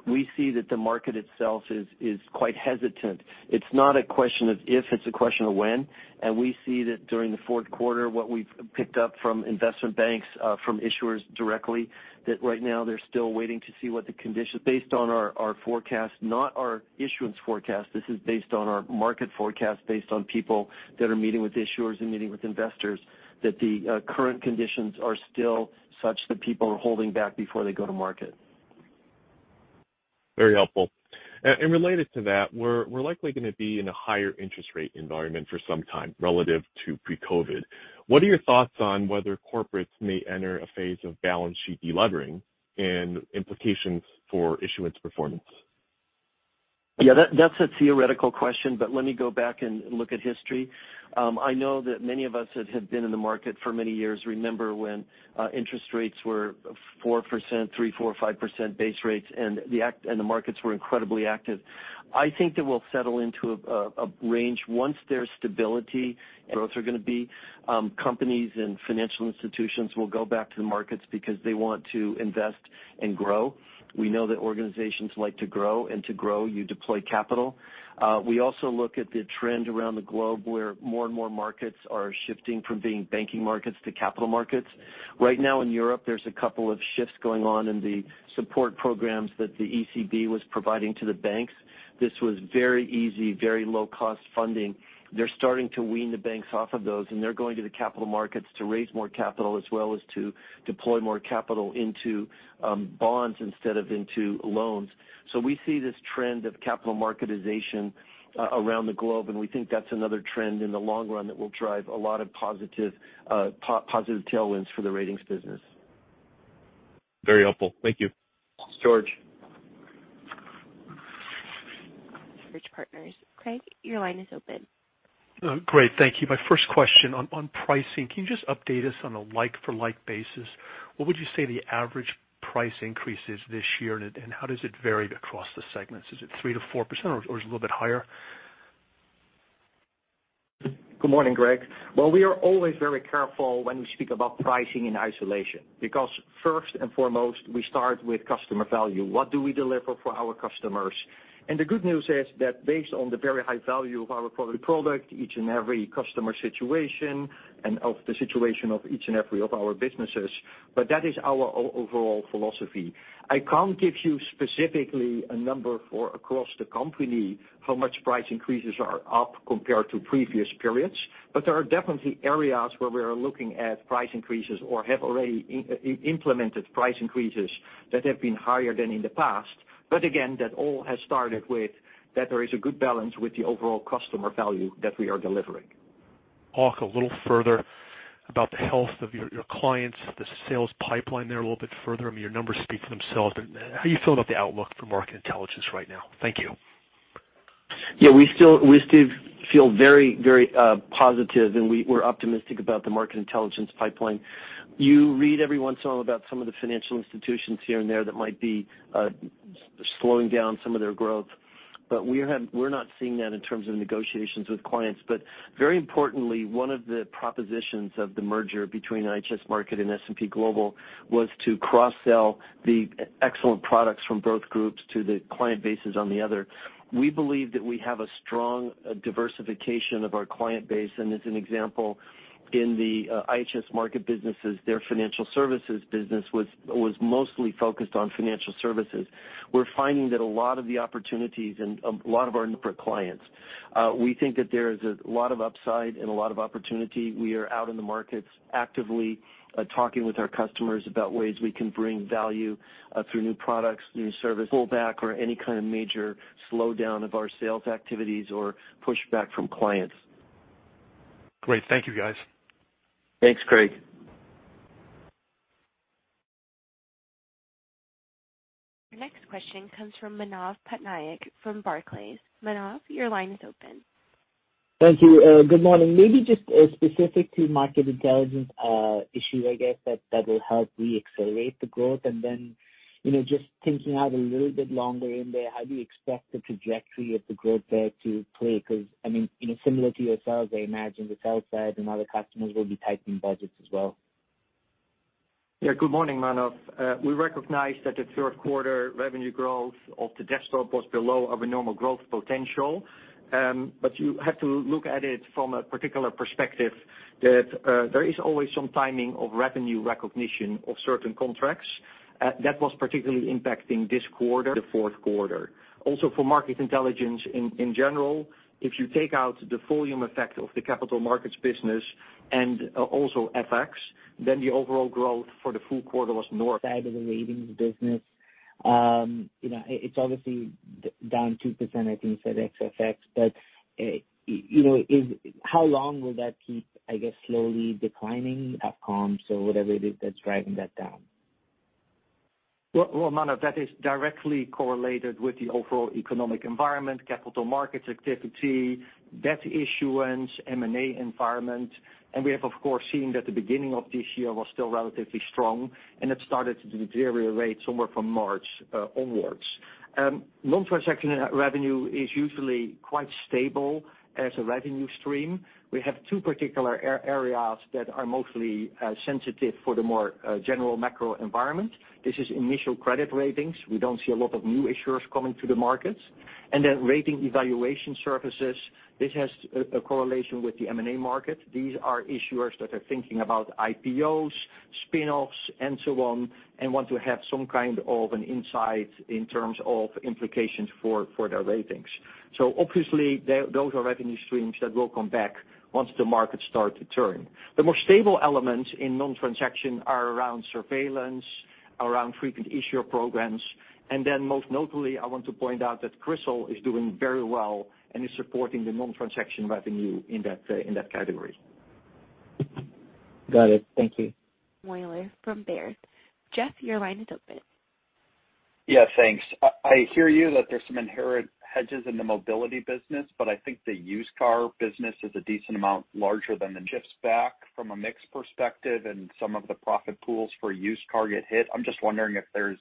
we see that the market itself is quite hesitant. It's not a question of if, it's a question of when. We see that during the Q4, what we've picked up from investment banks, from issuers directly, that right now they're still waiting to see what the conditions. Based on our forecast, not our issuance forecast. This is based on our market forecast, based on people that are meeting with issuers and meeting with investors, that the current conditions are still such that people are holding back before they go to market. Very helpful. Related to that, we're likely going to be in a higher interest rate environment for some time relative to pre-COVID. What are your thoughts on whether corporates may enter a phase of balance sheet de-levering and implications for issuance performance? Yeah, that's a theoretical question, but let me go back and look at history. I know that many of us that have been in the market for many years remember when interest rates were 4%, 3%, 4%, 5% base rates, and the markets were incredibly active. I think that we'll settle into a range. Once there's stability, growth are going to be companies and financial institutions will go back to the markets because they want to invest and grow. We know that organizations like to grow, and to grow, you deploy capital. We also look at the trend around the globe, where more and more markets are shifting from being banking markets to capital markets. Right now in Europe, there's a couple of shifts going on in the support programs that the ECB was providing to the banks. This was very easy, very low cost funding. They're starting to wean the banks off of those, and they're going to the capital markets to raise more capital as well as to deploy more capital into bonds instead of into loans. We see this trend of capital marketization around the globe, and we think that's another trend in the long run that will drive a lot of positive tailwinds for the ratings business. Very helpful. Thank you. Thanks, George. Rich Partners. Craig, your line is open. Great. Thank you. My first question on pricing. Can you just update us on a like for like basis? What would you say the average price increase is this year, and how does it vary across the segments? Is it 3%-4% or is it a little bit higher? Good morning, Craig. Well, we are always very careful when we speak about pricing in isolation because first and foremost, we start with customer value. What do we deliver for our customers? The good news is that based on the very high value of our product, each and every customer situation and of the situation of each and every of our businesses. That is our overall philosophy. I can't give you specifically a number for across the company how much price increases are up compared to previous periods. There are definitely areas where we are looking at price increases or have already implemented price increases that have been higher than in the past. Again, that all has started with that there is a good balance with the overall customer value that we are delivering. Talk a little further about the health of your clients, the sales pipeline there a little bit further. I mean, your numbers speak for themselves, but how are you feeling about the outlook for market intelligence right now? Thank you. Yeah, we still feel very positive and we're optimistic about the market intelligence pipeline. You read every once in a while about some of the financial institutions here and there that might be slowing down some of their growth. We're not seeing that in terms of negotiations with clients. Very importantly, one of the propositions of the merger between IHS Markit and S&P Global was to cross-sell the excellent products from both groups to the client bases on the other. We believe that we have a strong diversification of our client base. As an example In the IHS Markit businesses, their financial services business was mostly focused on financial services. We're finding that a lot of the opportunities and a lot of our corporate clients, we think that there is a lot of upside and a lot of opportunity. We are out in the markets actively, talking with our customers about ways we can bring value, through new products, pull back or any kind of major slowdown of our sales activities or pushback from clients. Great. Thank you, guys. Thanks, Craig. Your next question comes from Manav Patnaik from Barclays. Manav, your line is open. Thank you. Good morning. Maybe just specific to market intelligence, issue, I guess that will help reaccelerate the growth. You know, just thinking out a little bit longer in there, how do you expect the trajectory of the growth there to play? Because, I mean, you know, similar to yourselves, I imagine the sell side and other customers will be tightening budgets as well. Yeah. Good morning, Manav. We recognize that the Q3 revenue growth of the desktop was below our normal growth potential. You have to look at it from a particular perspective that there is always some timing of revenue recognition of certain contracts that was particularly impacting this quarter, the Q4. Also for Market Intelligence in general, if you take out the volume effect of the capital markets business and also FX, then the overall growth for the full quarter was north- Side of the ratings business, you know, it's obviously down 2%, I think you said, ex-FX. You know, how long will that keep, I guess, slowly declining at comps or whatever it is that's driving that down? Manav, that is directly correlated with the overall economic environment, capital markets activity, debt issuance, M&A environment. We have, of course, seen that the beginning of this year was still relatively strong, and it started to deteriorate somewhere from March onwards. Non-transaction revenue is usually quite stable as a revenue stream. We have two particular areas that are mostly sensitive for the more general macro environment. This is initial credit ratings. We don't see a lot of new issuers coming to the markets. Then rating evaluation services. This has a correlation with the M&A market. These are issuers that are thinking about IPOs, spin-offs and so on, and want to have some kind of an insight in terms of implications for their ratings. Obviously, those are revenue streams that will come back once the markets start to turn. The more stable elements in non-transaction are around surveillance, around frequent issuer programs. Most notably, I want to point out that CRISIL is doing very well and is supporting the non-transaction revenue in that category. Got it. Thank you. Jeff Meuler from Baird. Jeff, your line is open. Yeah, thanks. I hear you that there's some inherent hedges in the mobility business, but I think the used car business is a decent amount larger than shifts back from a mix perspective and some of the profit pools for used car get hit. I'm just wondering if there's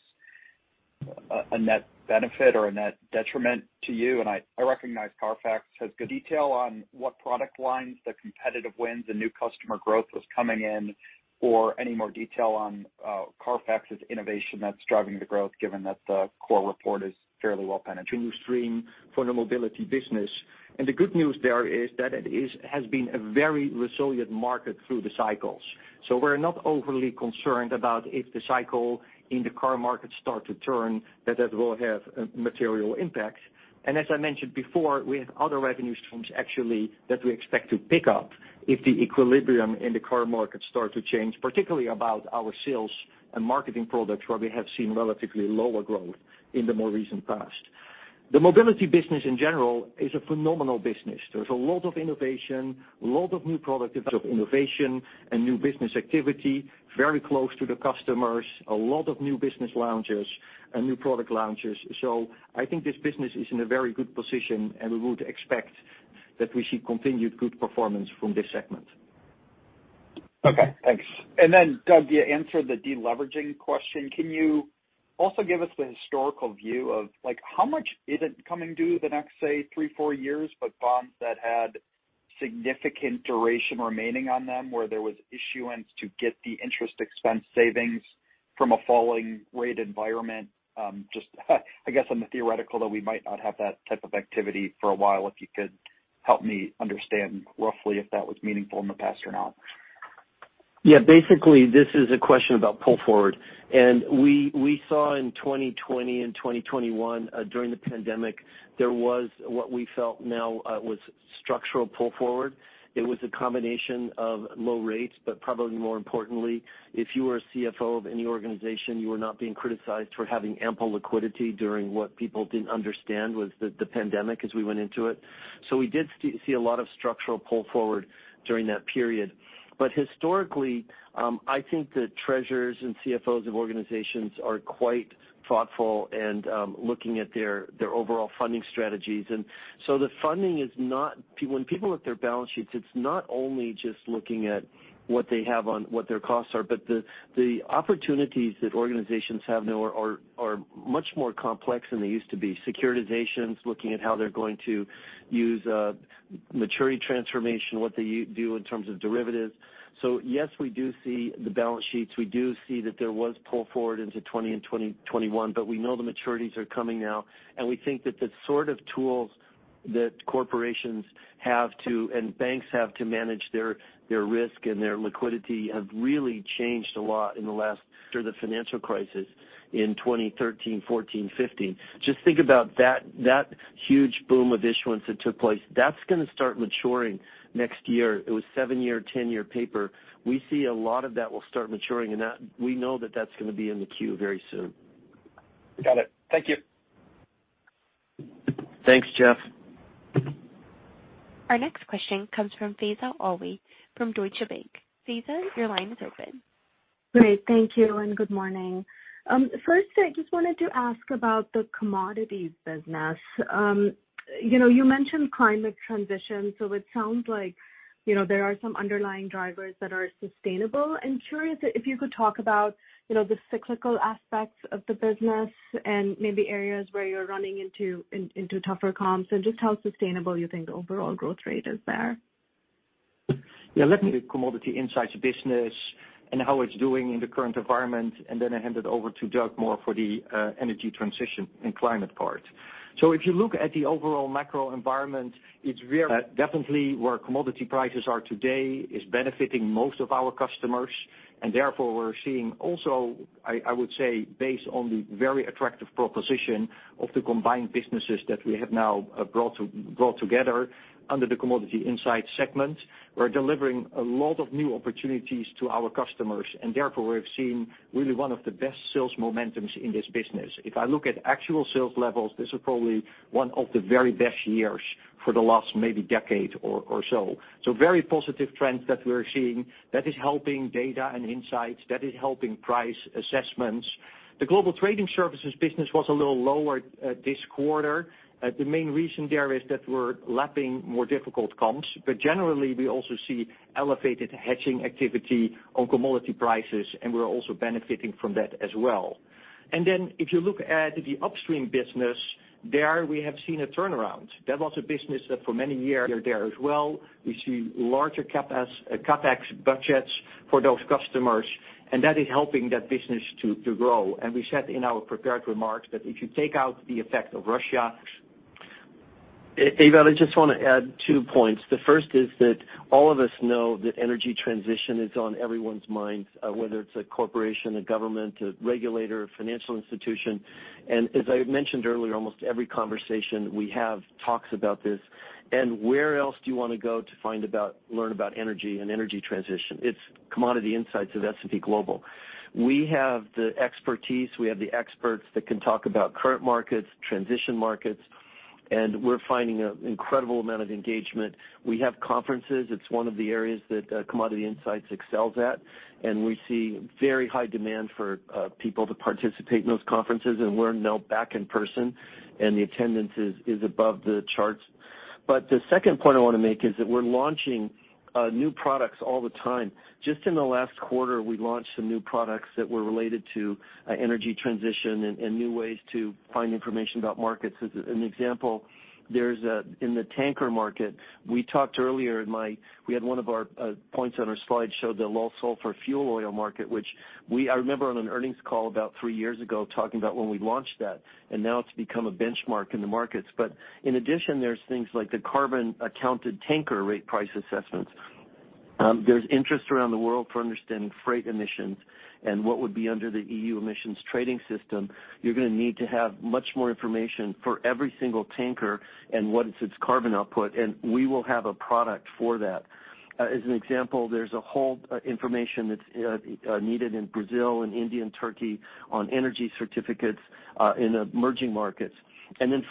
a net benefit or a net detriment to you. I recognize CARFAX has good detail on what product lines, the competitive wins and new customer growth was coming in, or any more detail on CARFAX's innovation that's driving the growth given that the core report is fairly well penetrated. New stream for the mobility business. The good news there is that has been a very resilient market through the cycles. We're not overly concerned about if the cycle in the car market start to turn, that will have material impact. As I mentioned before, we have other revenue streams actually that we expect to pick up if the equilibrium in the car market starts to change, particularly about our sales and marketing products, where we have seen relatively lower growth in the more recent past. The mobility business in general is a phenomenal business. There's a lot of innovation, a lot of new product development of innovation and new business activity, very close to the customers, a lot of new business launches and new product launches. I think this business is in a very good position, and we would expect that we see continued good performance from this segment. Okay, thanks. Then, Doug, you answered the deleveraging question. Can you also give us the historical view of, like how much is it coming due the next, say, three, four years, but bonds that had significant duration remaining on them where there was issuance to get the interest expense savings from a falling rate environment? Just, I guess on the theoretical that we might not have that type of activity for a while, if you could help me understand roughly if that was meaningful in the past or not. Yeah. Basically, this is a question about pull forward. We saw in 2020 and 2021, during the pandemic, there was what we felt now was structural pull forward. It was a combination of low rates, but probably more importantly, if you were a CFO of any organization, you were not being criticized for having ample liquidity during what people didn't understand was the pandemic as we went into it. We did see a lot of structural pull forward during that period. Historically, I think the treasurers and CFOs of organizations are quite thoughtful and looking at their overall funding strategies. The funding is not when people look at their balance sheets, it's not only just looking at what they have on what their costs are, but the opportunities that organizations have now are much more complex than they used to be. Securitizations, looking at how they're going to use maturity transformation, what they do in terms of derivatives. Yes, we do see the balance sheets. We do see that there was pull forward into 2020 and 2021, but we know the maturities are coming now, and we think that the sort of tools that corporations have to, and banks have to manage their risk and their liquidity have really changed a lot in the last through the financial crisis in 2013, 2014, 2015. Just think about that huge boom of issuance that took place. That's gonna start maturing next year. It was 7-year, 10-year paper. We see a lot of that will start maturing, and that we know that's gonna be in the queue very soon. Got it. Thank you. Thanks, Jeff. Our next question comes from Faiza Alwy from Deutsche Bank. Faiza, your line is open. Great. Thank you, and good morning. First, I just wanted to ask about the commodities business. You know, you mentioned climate transition, so it sounds like, you know, there are some underlying drivers that are sustainable. I'm curious if you could talk about, you know, the cyclical aspects of the business and maybe areas where you're running into into tougher comps and just how sustainable you think the overall growth rate is there. Yeah. Let me turn to the Commodity Insights business and how it's doing in the current environment, and then I'll hand it over to Doug for the energy transition and climate part. If you look at the overall macro environment, it's very definitely where commodity prices are today is benefiting most of our customers, and therefore, we're seeing also I would say, based on the very attractive proposition of the combined businesses that we have now brought together under the Commodity Insights segment, we're delivering a lot of new opportunities to our customers, and therefore, we've seen really one of the best sales momentums in this business. If I look at actual sales levels, this is probably one of the very best years for the last maybe decade or so. Very positive trends that we're seeing that is helping data and insights, that is helping price assessments. The global trading services business was a little lower this quarter. The main reason there is that we're lapping more difficult comps. Generally, we also see elevated hedging activity on commodity prices, and we're also benefiting from that as well. Then if you look at the upstream business, there we have seen a turnaround. There as well. We see larger CapEx budgets for those customers, and that is helping that business to grow. We said in our prepared remarks that if you take out the effect of Russia. Ewout, I just wanna add two points. The first is that all of us know that energy transition is on everyone's minds, whether it's a corporation, a government, a regulator, a financial institution. As I mentioned earlier, almost every conversation we have talks about this. Where else do you wanna go to find out about, learn about energy and energy transition? It's S&P Global Commodity Insights. We have the expertise, we have the experts that can talk about current markets, transition markets, and we're finding an incredible amount of engagement. We have conferences. It's one of the areas that S&P Global Commodity Insights excels at, and we see very high demand for people to participate in those conferences and learn now back in person, and the attendance is above the charts. The second point I wanna make is that we're launching new products all the time. Just in the last quarter, we launched some new products that were related to energy transition and new ways to find information about markets. As an example, there's in the tanker market, we talked earlier. We had one of our points on our slide showed the low sulfur fuel oil market, which I remember on an earnings call about three years ago talking about when we launched that, and now it's become a benchmark in the markets. But in addition, there's things like the carbon accounted tanker rate price assessments. There's interest around the world for understanding freight emissions and what would be under the EU Emissions Trading System. You're gonna need to have much more information for every single tanker and what is its carbon output, and we will have a product for that. As an example, there's a whole information that's needed in Brazil and India and Turkey on energy certificates in emerging markets.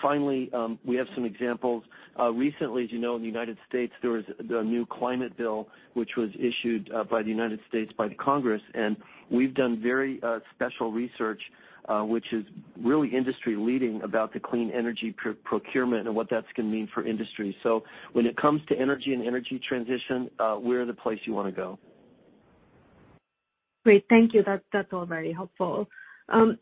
Finally, we have some examples. Recently, as you know, in the United States, there was the new climate bill, which was issued by the United States, by the Congress, and we've done very special research, which is really industry-leading about the clean energy procurement and what that's gonna mean for industry. When it comes to energy and energy transition, we're the place you wanna go. Great. Thank you. That's all very helpful.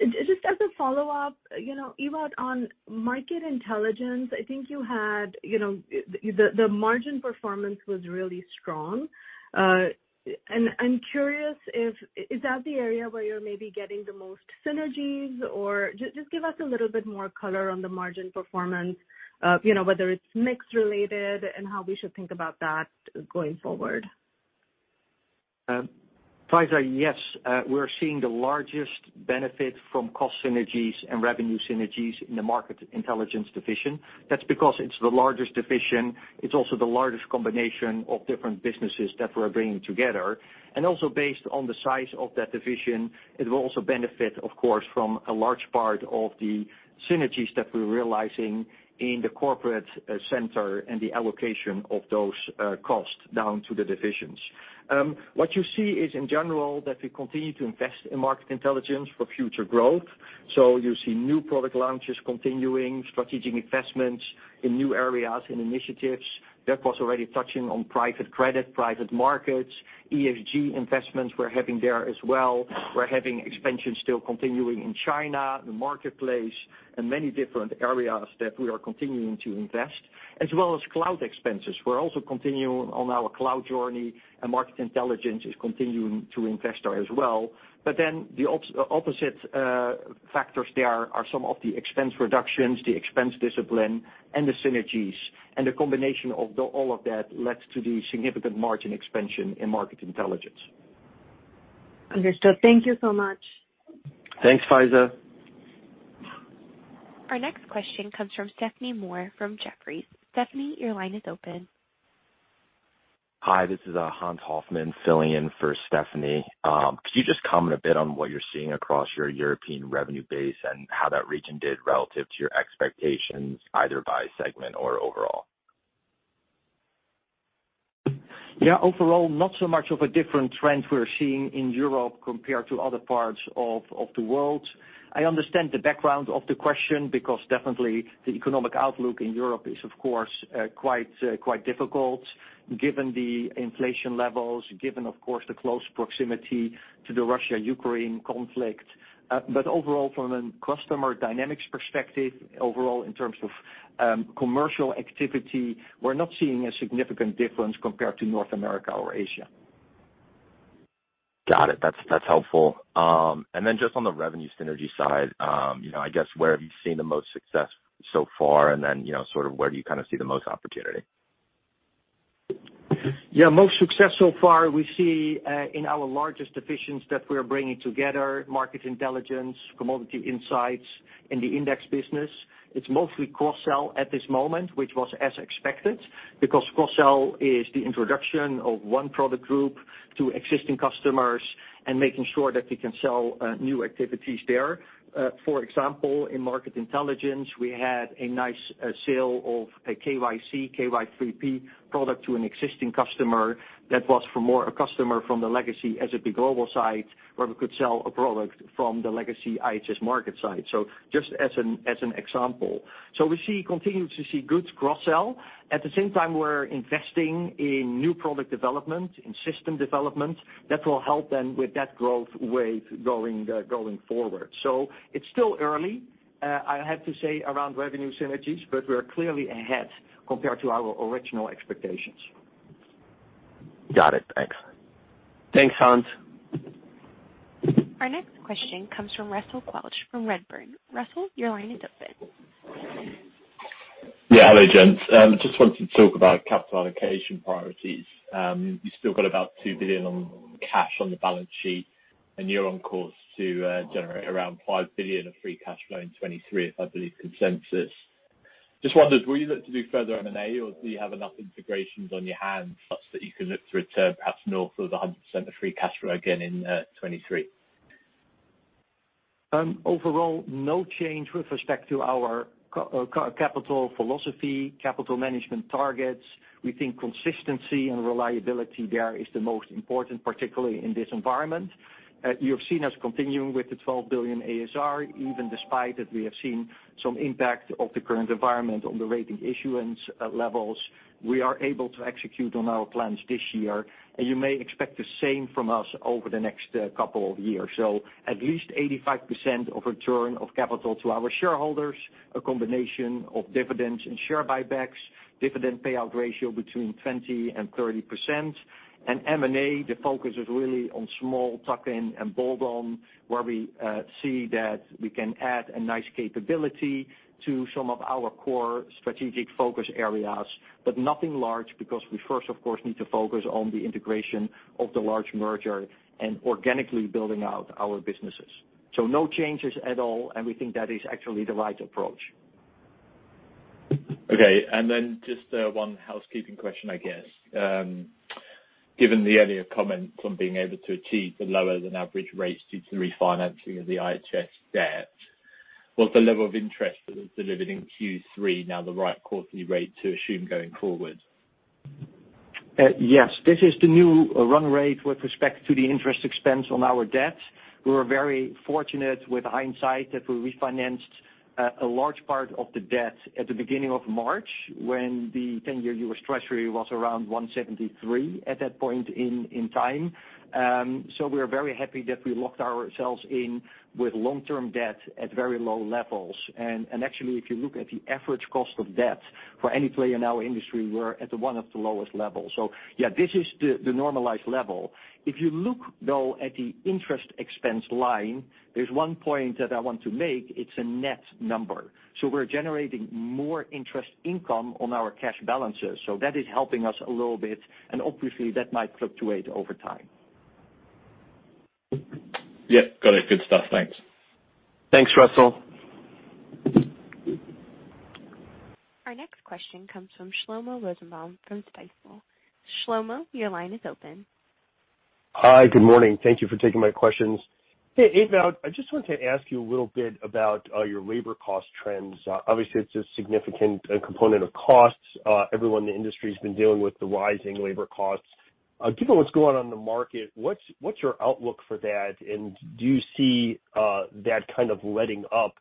Just as a follow-up, you know, Ewout, on market intelligence, I think you had, you know. The margin performance was really strong. And I'm curious, is that the area where you're maybe getting the most synergies? Or just give us a little bit more color on the margin performance, you know, whether it's mix related and how we should think about that going forward. Faiza, yes, we're seeing the largest benefit from cost synergies and revenue synergies in the Market Intelligence division. That's because it's the largest division. It's also the largest combination of different businesses that we're bringing together. Based on the size of that division, it will also benefit, of course, from a large part of the synergies that we're realizing in the corporate center and the allocation of those costs down to the divisions. What you see is, in general, that we continue to invest in Market Intelligence for future growth. You see new product launches continuing, strategic investments in new areas and initiatives. Doug was already touching on private credit, private markets, ESG investments we're having there as well. We're having expansions still continuing in China, the marketplace, and many different areas that we are continuing to invest, as well as cloud expenses. We're also continuing on our cloud journey, and market intelligence is continuing to invest there as well. The opposite factors there are some of the expense reductions, the expense discipline, and the synergies. The combination of all of that led to the significant margin expansion in Market Intelligence. Understood. Thank you so much. Thanks, Faiza. Our next question comes from Stephanie Moore from Jefferies. Stephanie, your line is open. Hi, this is Hans Hoffmann filling in for Stephanie. Could you just comment a bit on what you're seeing across your European revenue base and how that region did relative to your expectations, either by segment or overall? Yeah. Overall, not so much of a different trend we're seeing in Europe compared to other parts of the world. I understand the background of the question because definitely the economic outlook in Europe is of course quite difficult given the inflation levels, given of course the close proximity to the Russia-Ukraine conflict. Overall, from a customer dynamics perspective, overall in terms of commercial activity, we're not seeing a significant difference compared to North America or Asia. Got it. That's helpful. Just on the revenue synergy side, you know, I guess, where have you seen the most success so far? You know, sort of where do you kinda see the most opportunity? Yeah. Most success so far we see in our largest divisions that we're bringing together, market intelligence, commodity insights, and the index business. It's mostly cross-sell at this moment, which was as expected because cross-sell is the introduction of one product group to existing customers and making sure that we can sell new activities there. For example, in market intelligence, we had a nice sale of a KYC/KY3P product to an existing customer that was more a customer from the legacy S&P Global side where we could sell a product from the legacy IHS Markit side. Just as an example. We continue to see good cross-sell. At the same time, we're investing in new product development, in system development that will help them with that growth wave going forward. It's still early, I have to say, around revenue synergies, but we're clearly ahead compared to our original expectations. Got it. Thanks. Thanks, Hans. Our next question comes from Russell Quelch from Redburn. Russell, your line is open. Yeah. Hello, gents. Just wanted to talk about capital allocation priorities. You still got about $2 billion in cash on the balance sheet, and you're on course to generate around $5 billion of free cash flow in 2023, if I believe consensus. Just wondered, will you look to do further M&A, or do you have enough integrations on your hands such that you can look to return perhaps north of 100% of free cash flow again in 2023? Overall, no change with respect to our capital philosophy, capital management targets. We think consistency and reliability there is the most important, particularly in this environment. You have seen us continuing with the $12 billion ASR, even despite that we have seen some impact of the current environment on the rating issuance levels. We are able to execute on our plans this year, and you may expect the same from us over the next couple of years. At least 85% of return of capital to our shareholders, a combination of dividends and share buybacks, dividend payout ratio between 20% and 30%. M&A, the focus is really on small tuck-in and bolt-on, where we see that we can add a nice capability to some of our core strategic focus areas, but nothing large because we first, of course, need to focus on the integration of the large merger and organically building out our businesses. No changes at all, and we think that is actually the right approach. Okay. Just one housekeeping question, I guess. Given the earlier comments on being able to achieve the lower than average rates due to refinancing of the IHS debt, was the level of interest that was delivered in Q3 now the right quarterly rate to assume going forward? Yes. This is the new run rate with respect to the interest expense on our debt. We were very fortunate with hindsight that we refinanced a large part of the debt at the beginning of March when the 10-year U.S. Treasury was around 1.73 at that point in time. We're very happy that we locked ourselves in with long-term debt at very low levels. Actually, if you look at the average cost of debt for any player in our industry, we're at one of the lowest levels. Yeah, this is the normalized level. If you look though at the interest expense line, there's one point that I want to make. It's a net number. We're generating more interest income on our cash balances that is helping us a little bit, and obviously, that might fluctuate over time. Yeah. Got it. Good stuff. Thanks. Thanks, Russell. Our next question comes from Shlomo Rosenbaum from Stifel. Shlomo, your line is open. Hi. Good morning. Thank you for taking my questions. Hey, Ewout, I just wanted to ask you a little bit about your labor cost trends. Obviously it's a significant component of costs. Everyone in the industry has been dealing with the rising labor costs. Given what's going on in the market, what's your outlook for that? Do you see that kind of letting up,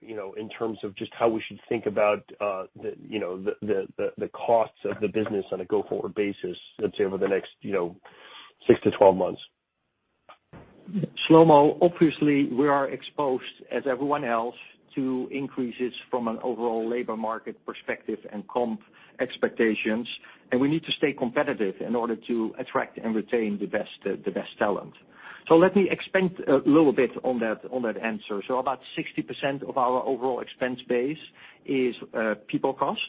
you know, in terms of just how we should think about the costs of the business on a go-forward basis, let's say over the next six to 12 months? Shlomo, obviously, we are exposed, as everyone else, to increases from an overall labor market perspective and comp expectations, and we need to stay competitive in order to attract and retain the best talent. Let me expand a little bit on that answer. About 60% of our overall expense base is people cost.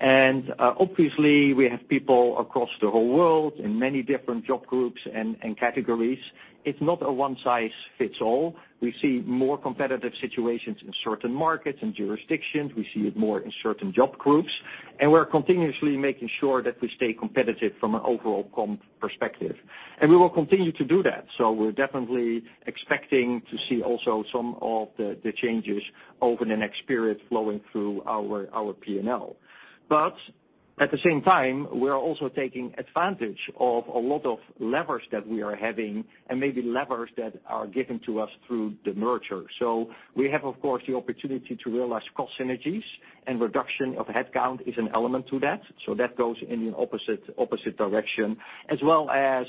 Obviously, we have people across the whole world in many different job groups and categories. It's not a one-size-fits-all. We see more competitive situations in certain markets and jurisdictions. We see it more in certain job groups, and we're continuously making sure that we stay competitive from an overall comp perspective. We will continue to do that. We're definitely expecting to see also some of the changes over the next period flowing through our P&L. At the same time, we are also taking advantage of a lot of levers that we are having and maybe levers that are given to us through the merger. We have, of course, the opportunity to realize cost synergies and reduction of headcount is an element to that. That goes in the opposite direction as well as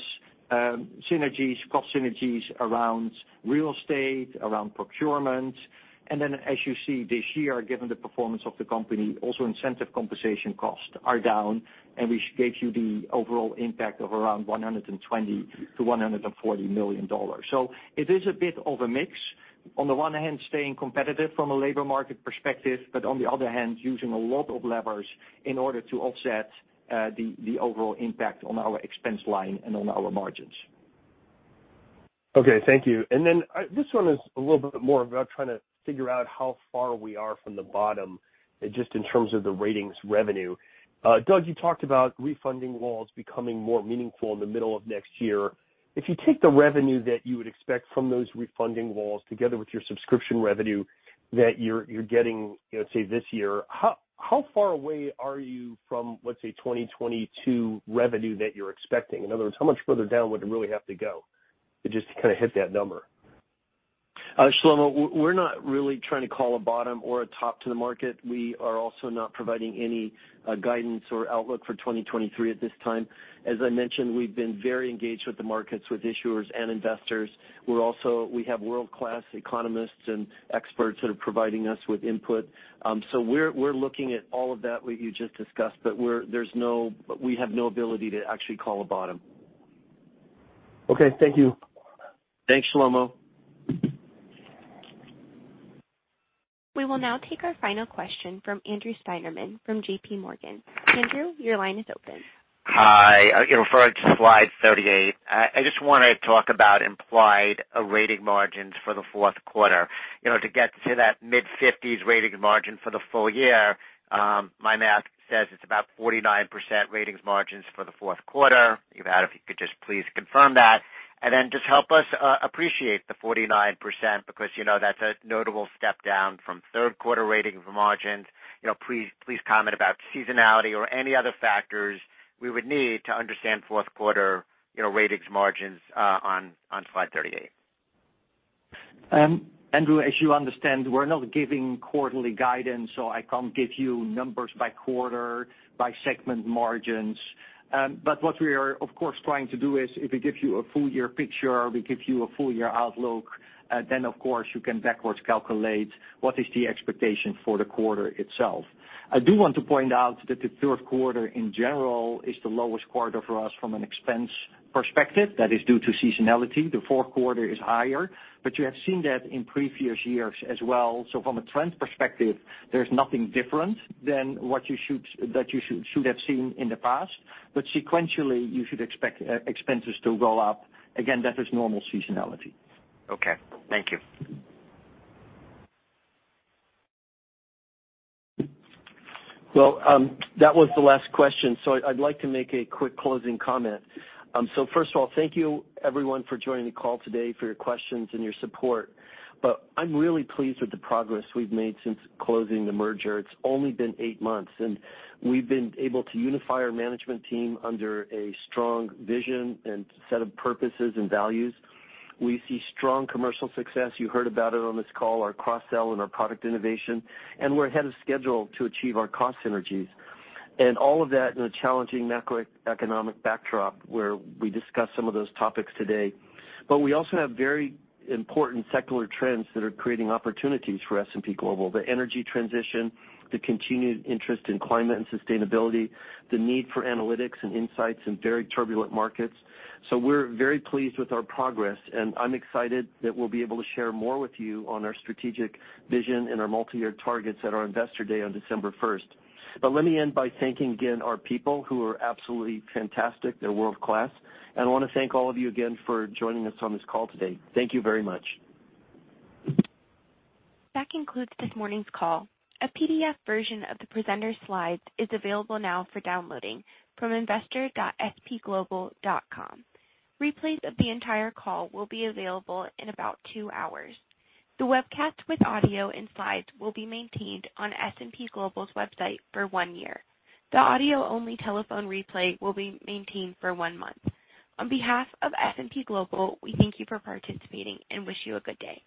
synergies, cost synergies around real estate, around procurement. As you see this year, given the performance of the company, also incentive compensation costs are down, and we gave you the overall impact of around $120 - 140 million. It is a bit of a mix. On the one hand, staying competitive from a labor market perspective, but on the other hand, using a lot of levers in order to offset the overall impact on our expense line and on our margins. Okay, thank you. This one is a little bit more about trying to figure out how far we are from the bottom, just in terms of the ratings revenue. Doug, you talked about refunding walls becoming more meaningful in the middle of next year. If you take the revenue that you would expect from those refunding walls together with your subscription revenue that you're getting, you know, say, this year, how far away are you from, let's say, 2022 revenue that you're expecting? In other words, how much further down would it really have to go just to kinda hit that number? Shlomo, we're not really trying to call a bottom or a top to the market. We are also not providing any guidance or outlook for 2023 at this time. As I mentioned, we've been very engaged with the markets, with issuers and investors. We have world-class economists and experts that are providing us with input. We're looking at all of that, what you just discussed. We have no ability to actually call a bottom. Okay, thank you. Thanks, Shlomo. We will now take our final question from Andrew Steinerman from J.P. Morgan. Andrew, your line is open. Hi. Referring to slide 38, I just want to talk about implied rating margins for the Q4. You know, to get to that mid-50s rating margin for the full year, my math says it's about 49% ratings margins for the Q4. If you could just please confirm that. Then just help us appreciate the 49% because, you know, that's a notable step down from Q3 rating margins. You know, please comment about seasonality or any other factors we would need to understand Q4, you know, ratings margins on slide 38. Andrew, as you understand, we're not giving quarterly guidance, so I can't give you numbers by quarter, by segment margins. What we are, of course, trying to do is if we give you a full year picture, we give you a full year outlook, then of course you can backwards calculate what is the expectation for the quarter itself. I do want to point out that the Q3 in general is the lowest quarter for us from an expense perspective. That is due to seasonality. The Q4 is higher, but you have seen that in previous years as well. From a trend perspective, there's nothing different than what you should have seen in the past. Sequentially, you should expect expenses to go up. Again, that is normal seasonality. Okay. Thank you. Well, that was the last question, so I'd like to make a quick closing comment. So first of all, thank you everyone for joining the call today, for your questions and your support. I'm really pleased with the progress we've made since closing the merger. It's only been eight months, and we've been able to unify our management team under a strong vision and set of purposes and values. We see strong commercial success. You heard about it on this call, our cross-sell and our product innovation, and we're ahead of schedule to achieve our cost synergies. All of that in a challenging macroeconomic backdrop where we discussed some of those topics today. We also have very important secular trends that are creating opportunities for S&P Global, the energy transition, the continued interest in climate and sustainability, the need for analytics and insights in very turbulent markets. We're very pleased with our progress, and I'm excited that we'll be able to share more with you on our strategic vision and our multi-year targets at our Investor Day on December first. Let me end by thanking again our people who are absolutely fantastic. They're world-class. I want to thank all of you again for joining us on this call today. Thank you very much. That concludes this morning's call. A PDF version of the presenter's slides is available now for downloading from investor.spglobal.com. Replays of the entire call will be available in about 2 hours. The webcast with audio and slides will be maintained on S&P Global's website for 1 year. The audio-only telephone replay will be maintained for 1 month. On behalf of S&P Global, we thank you for participating and wish you a good day.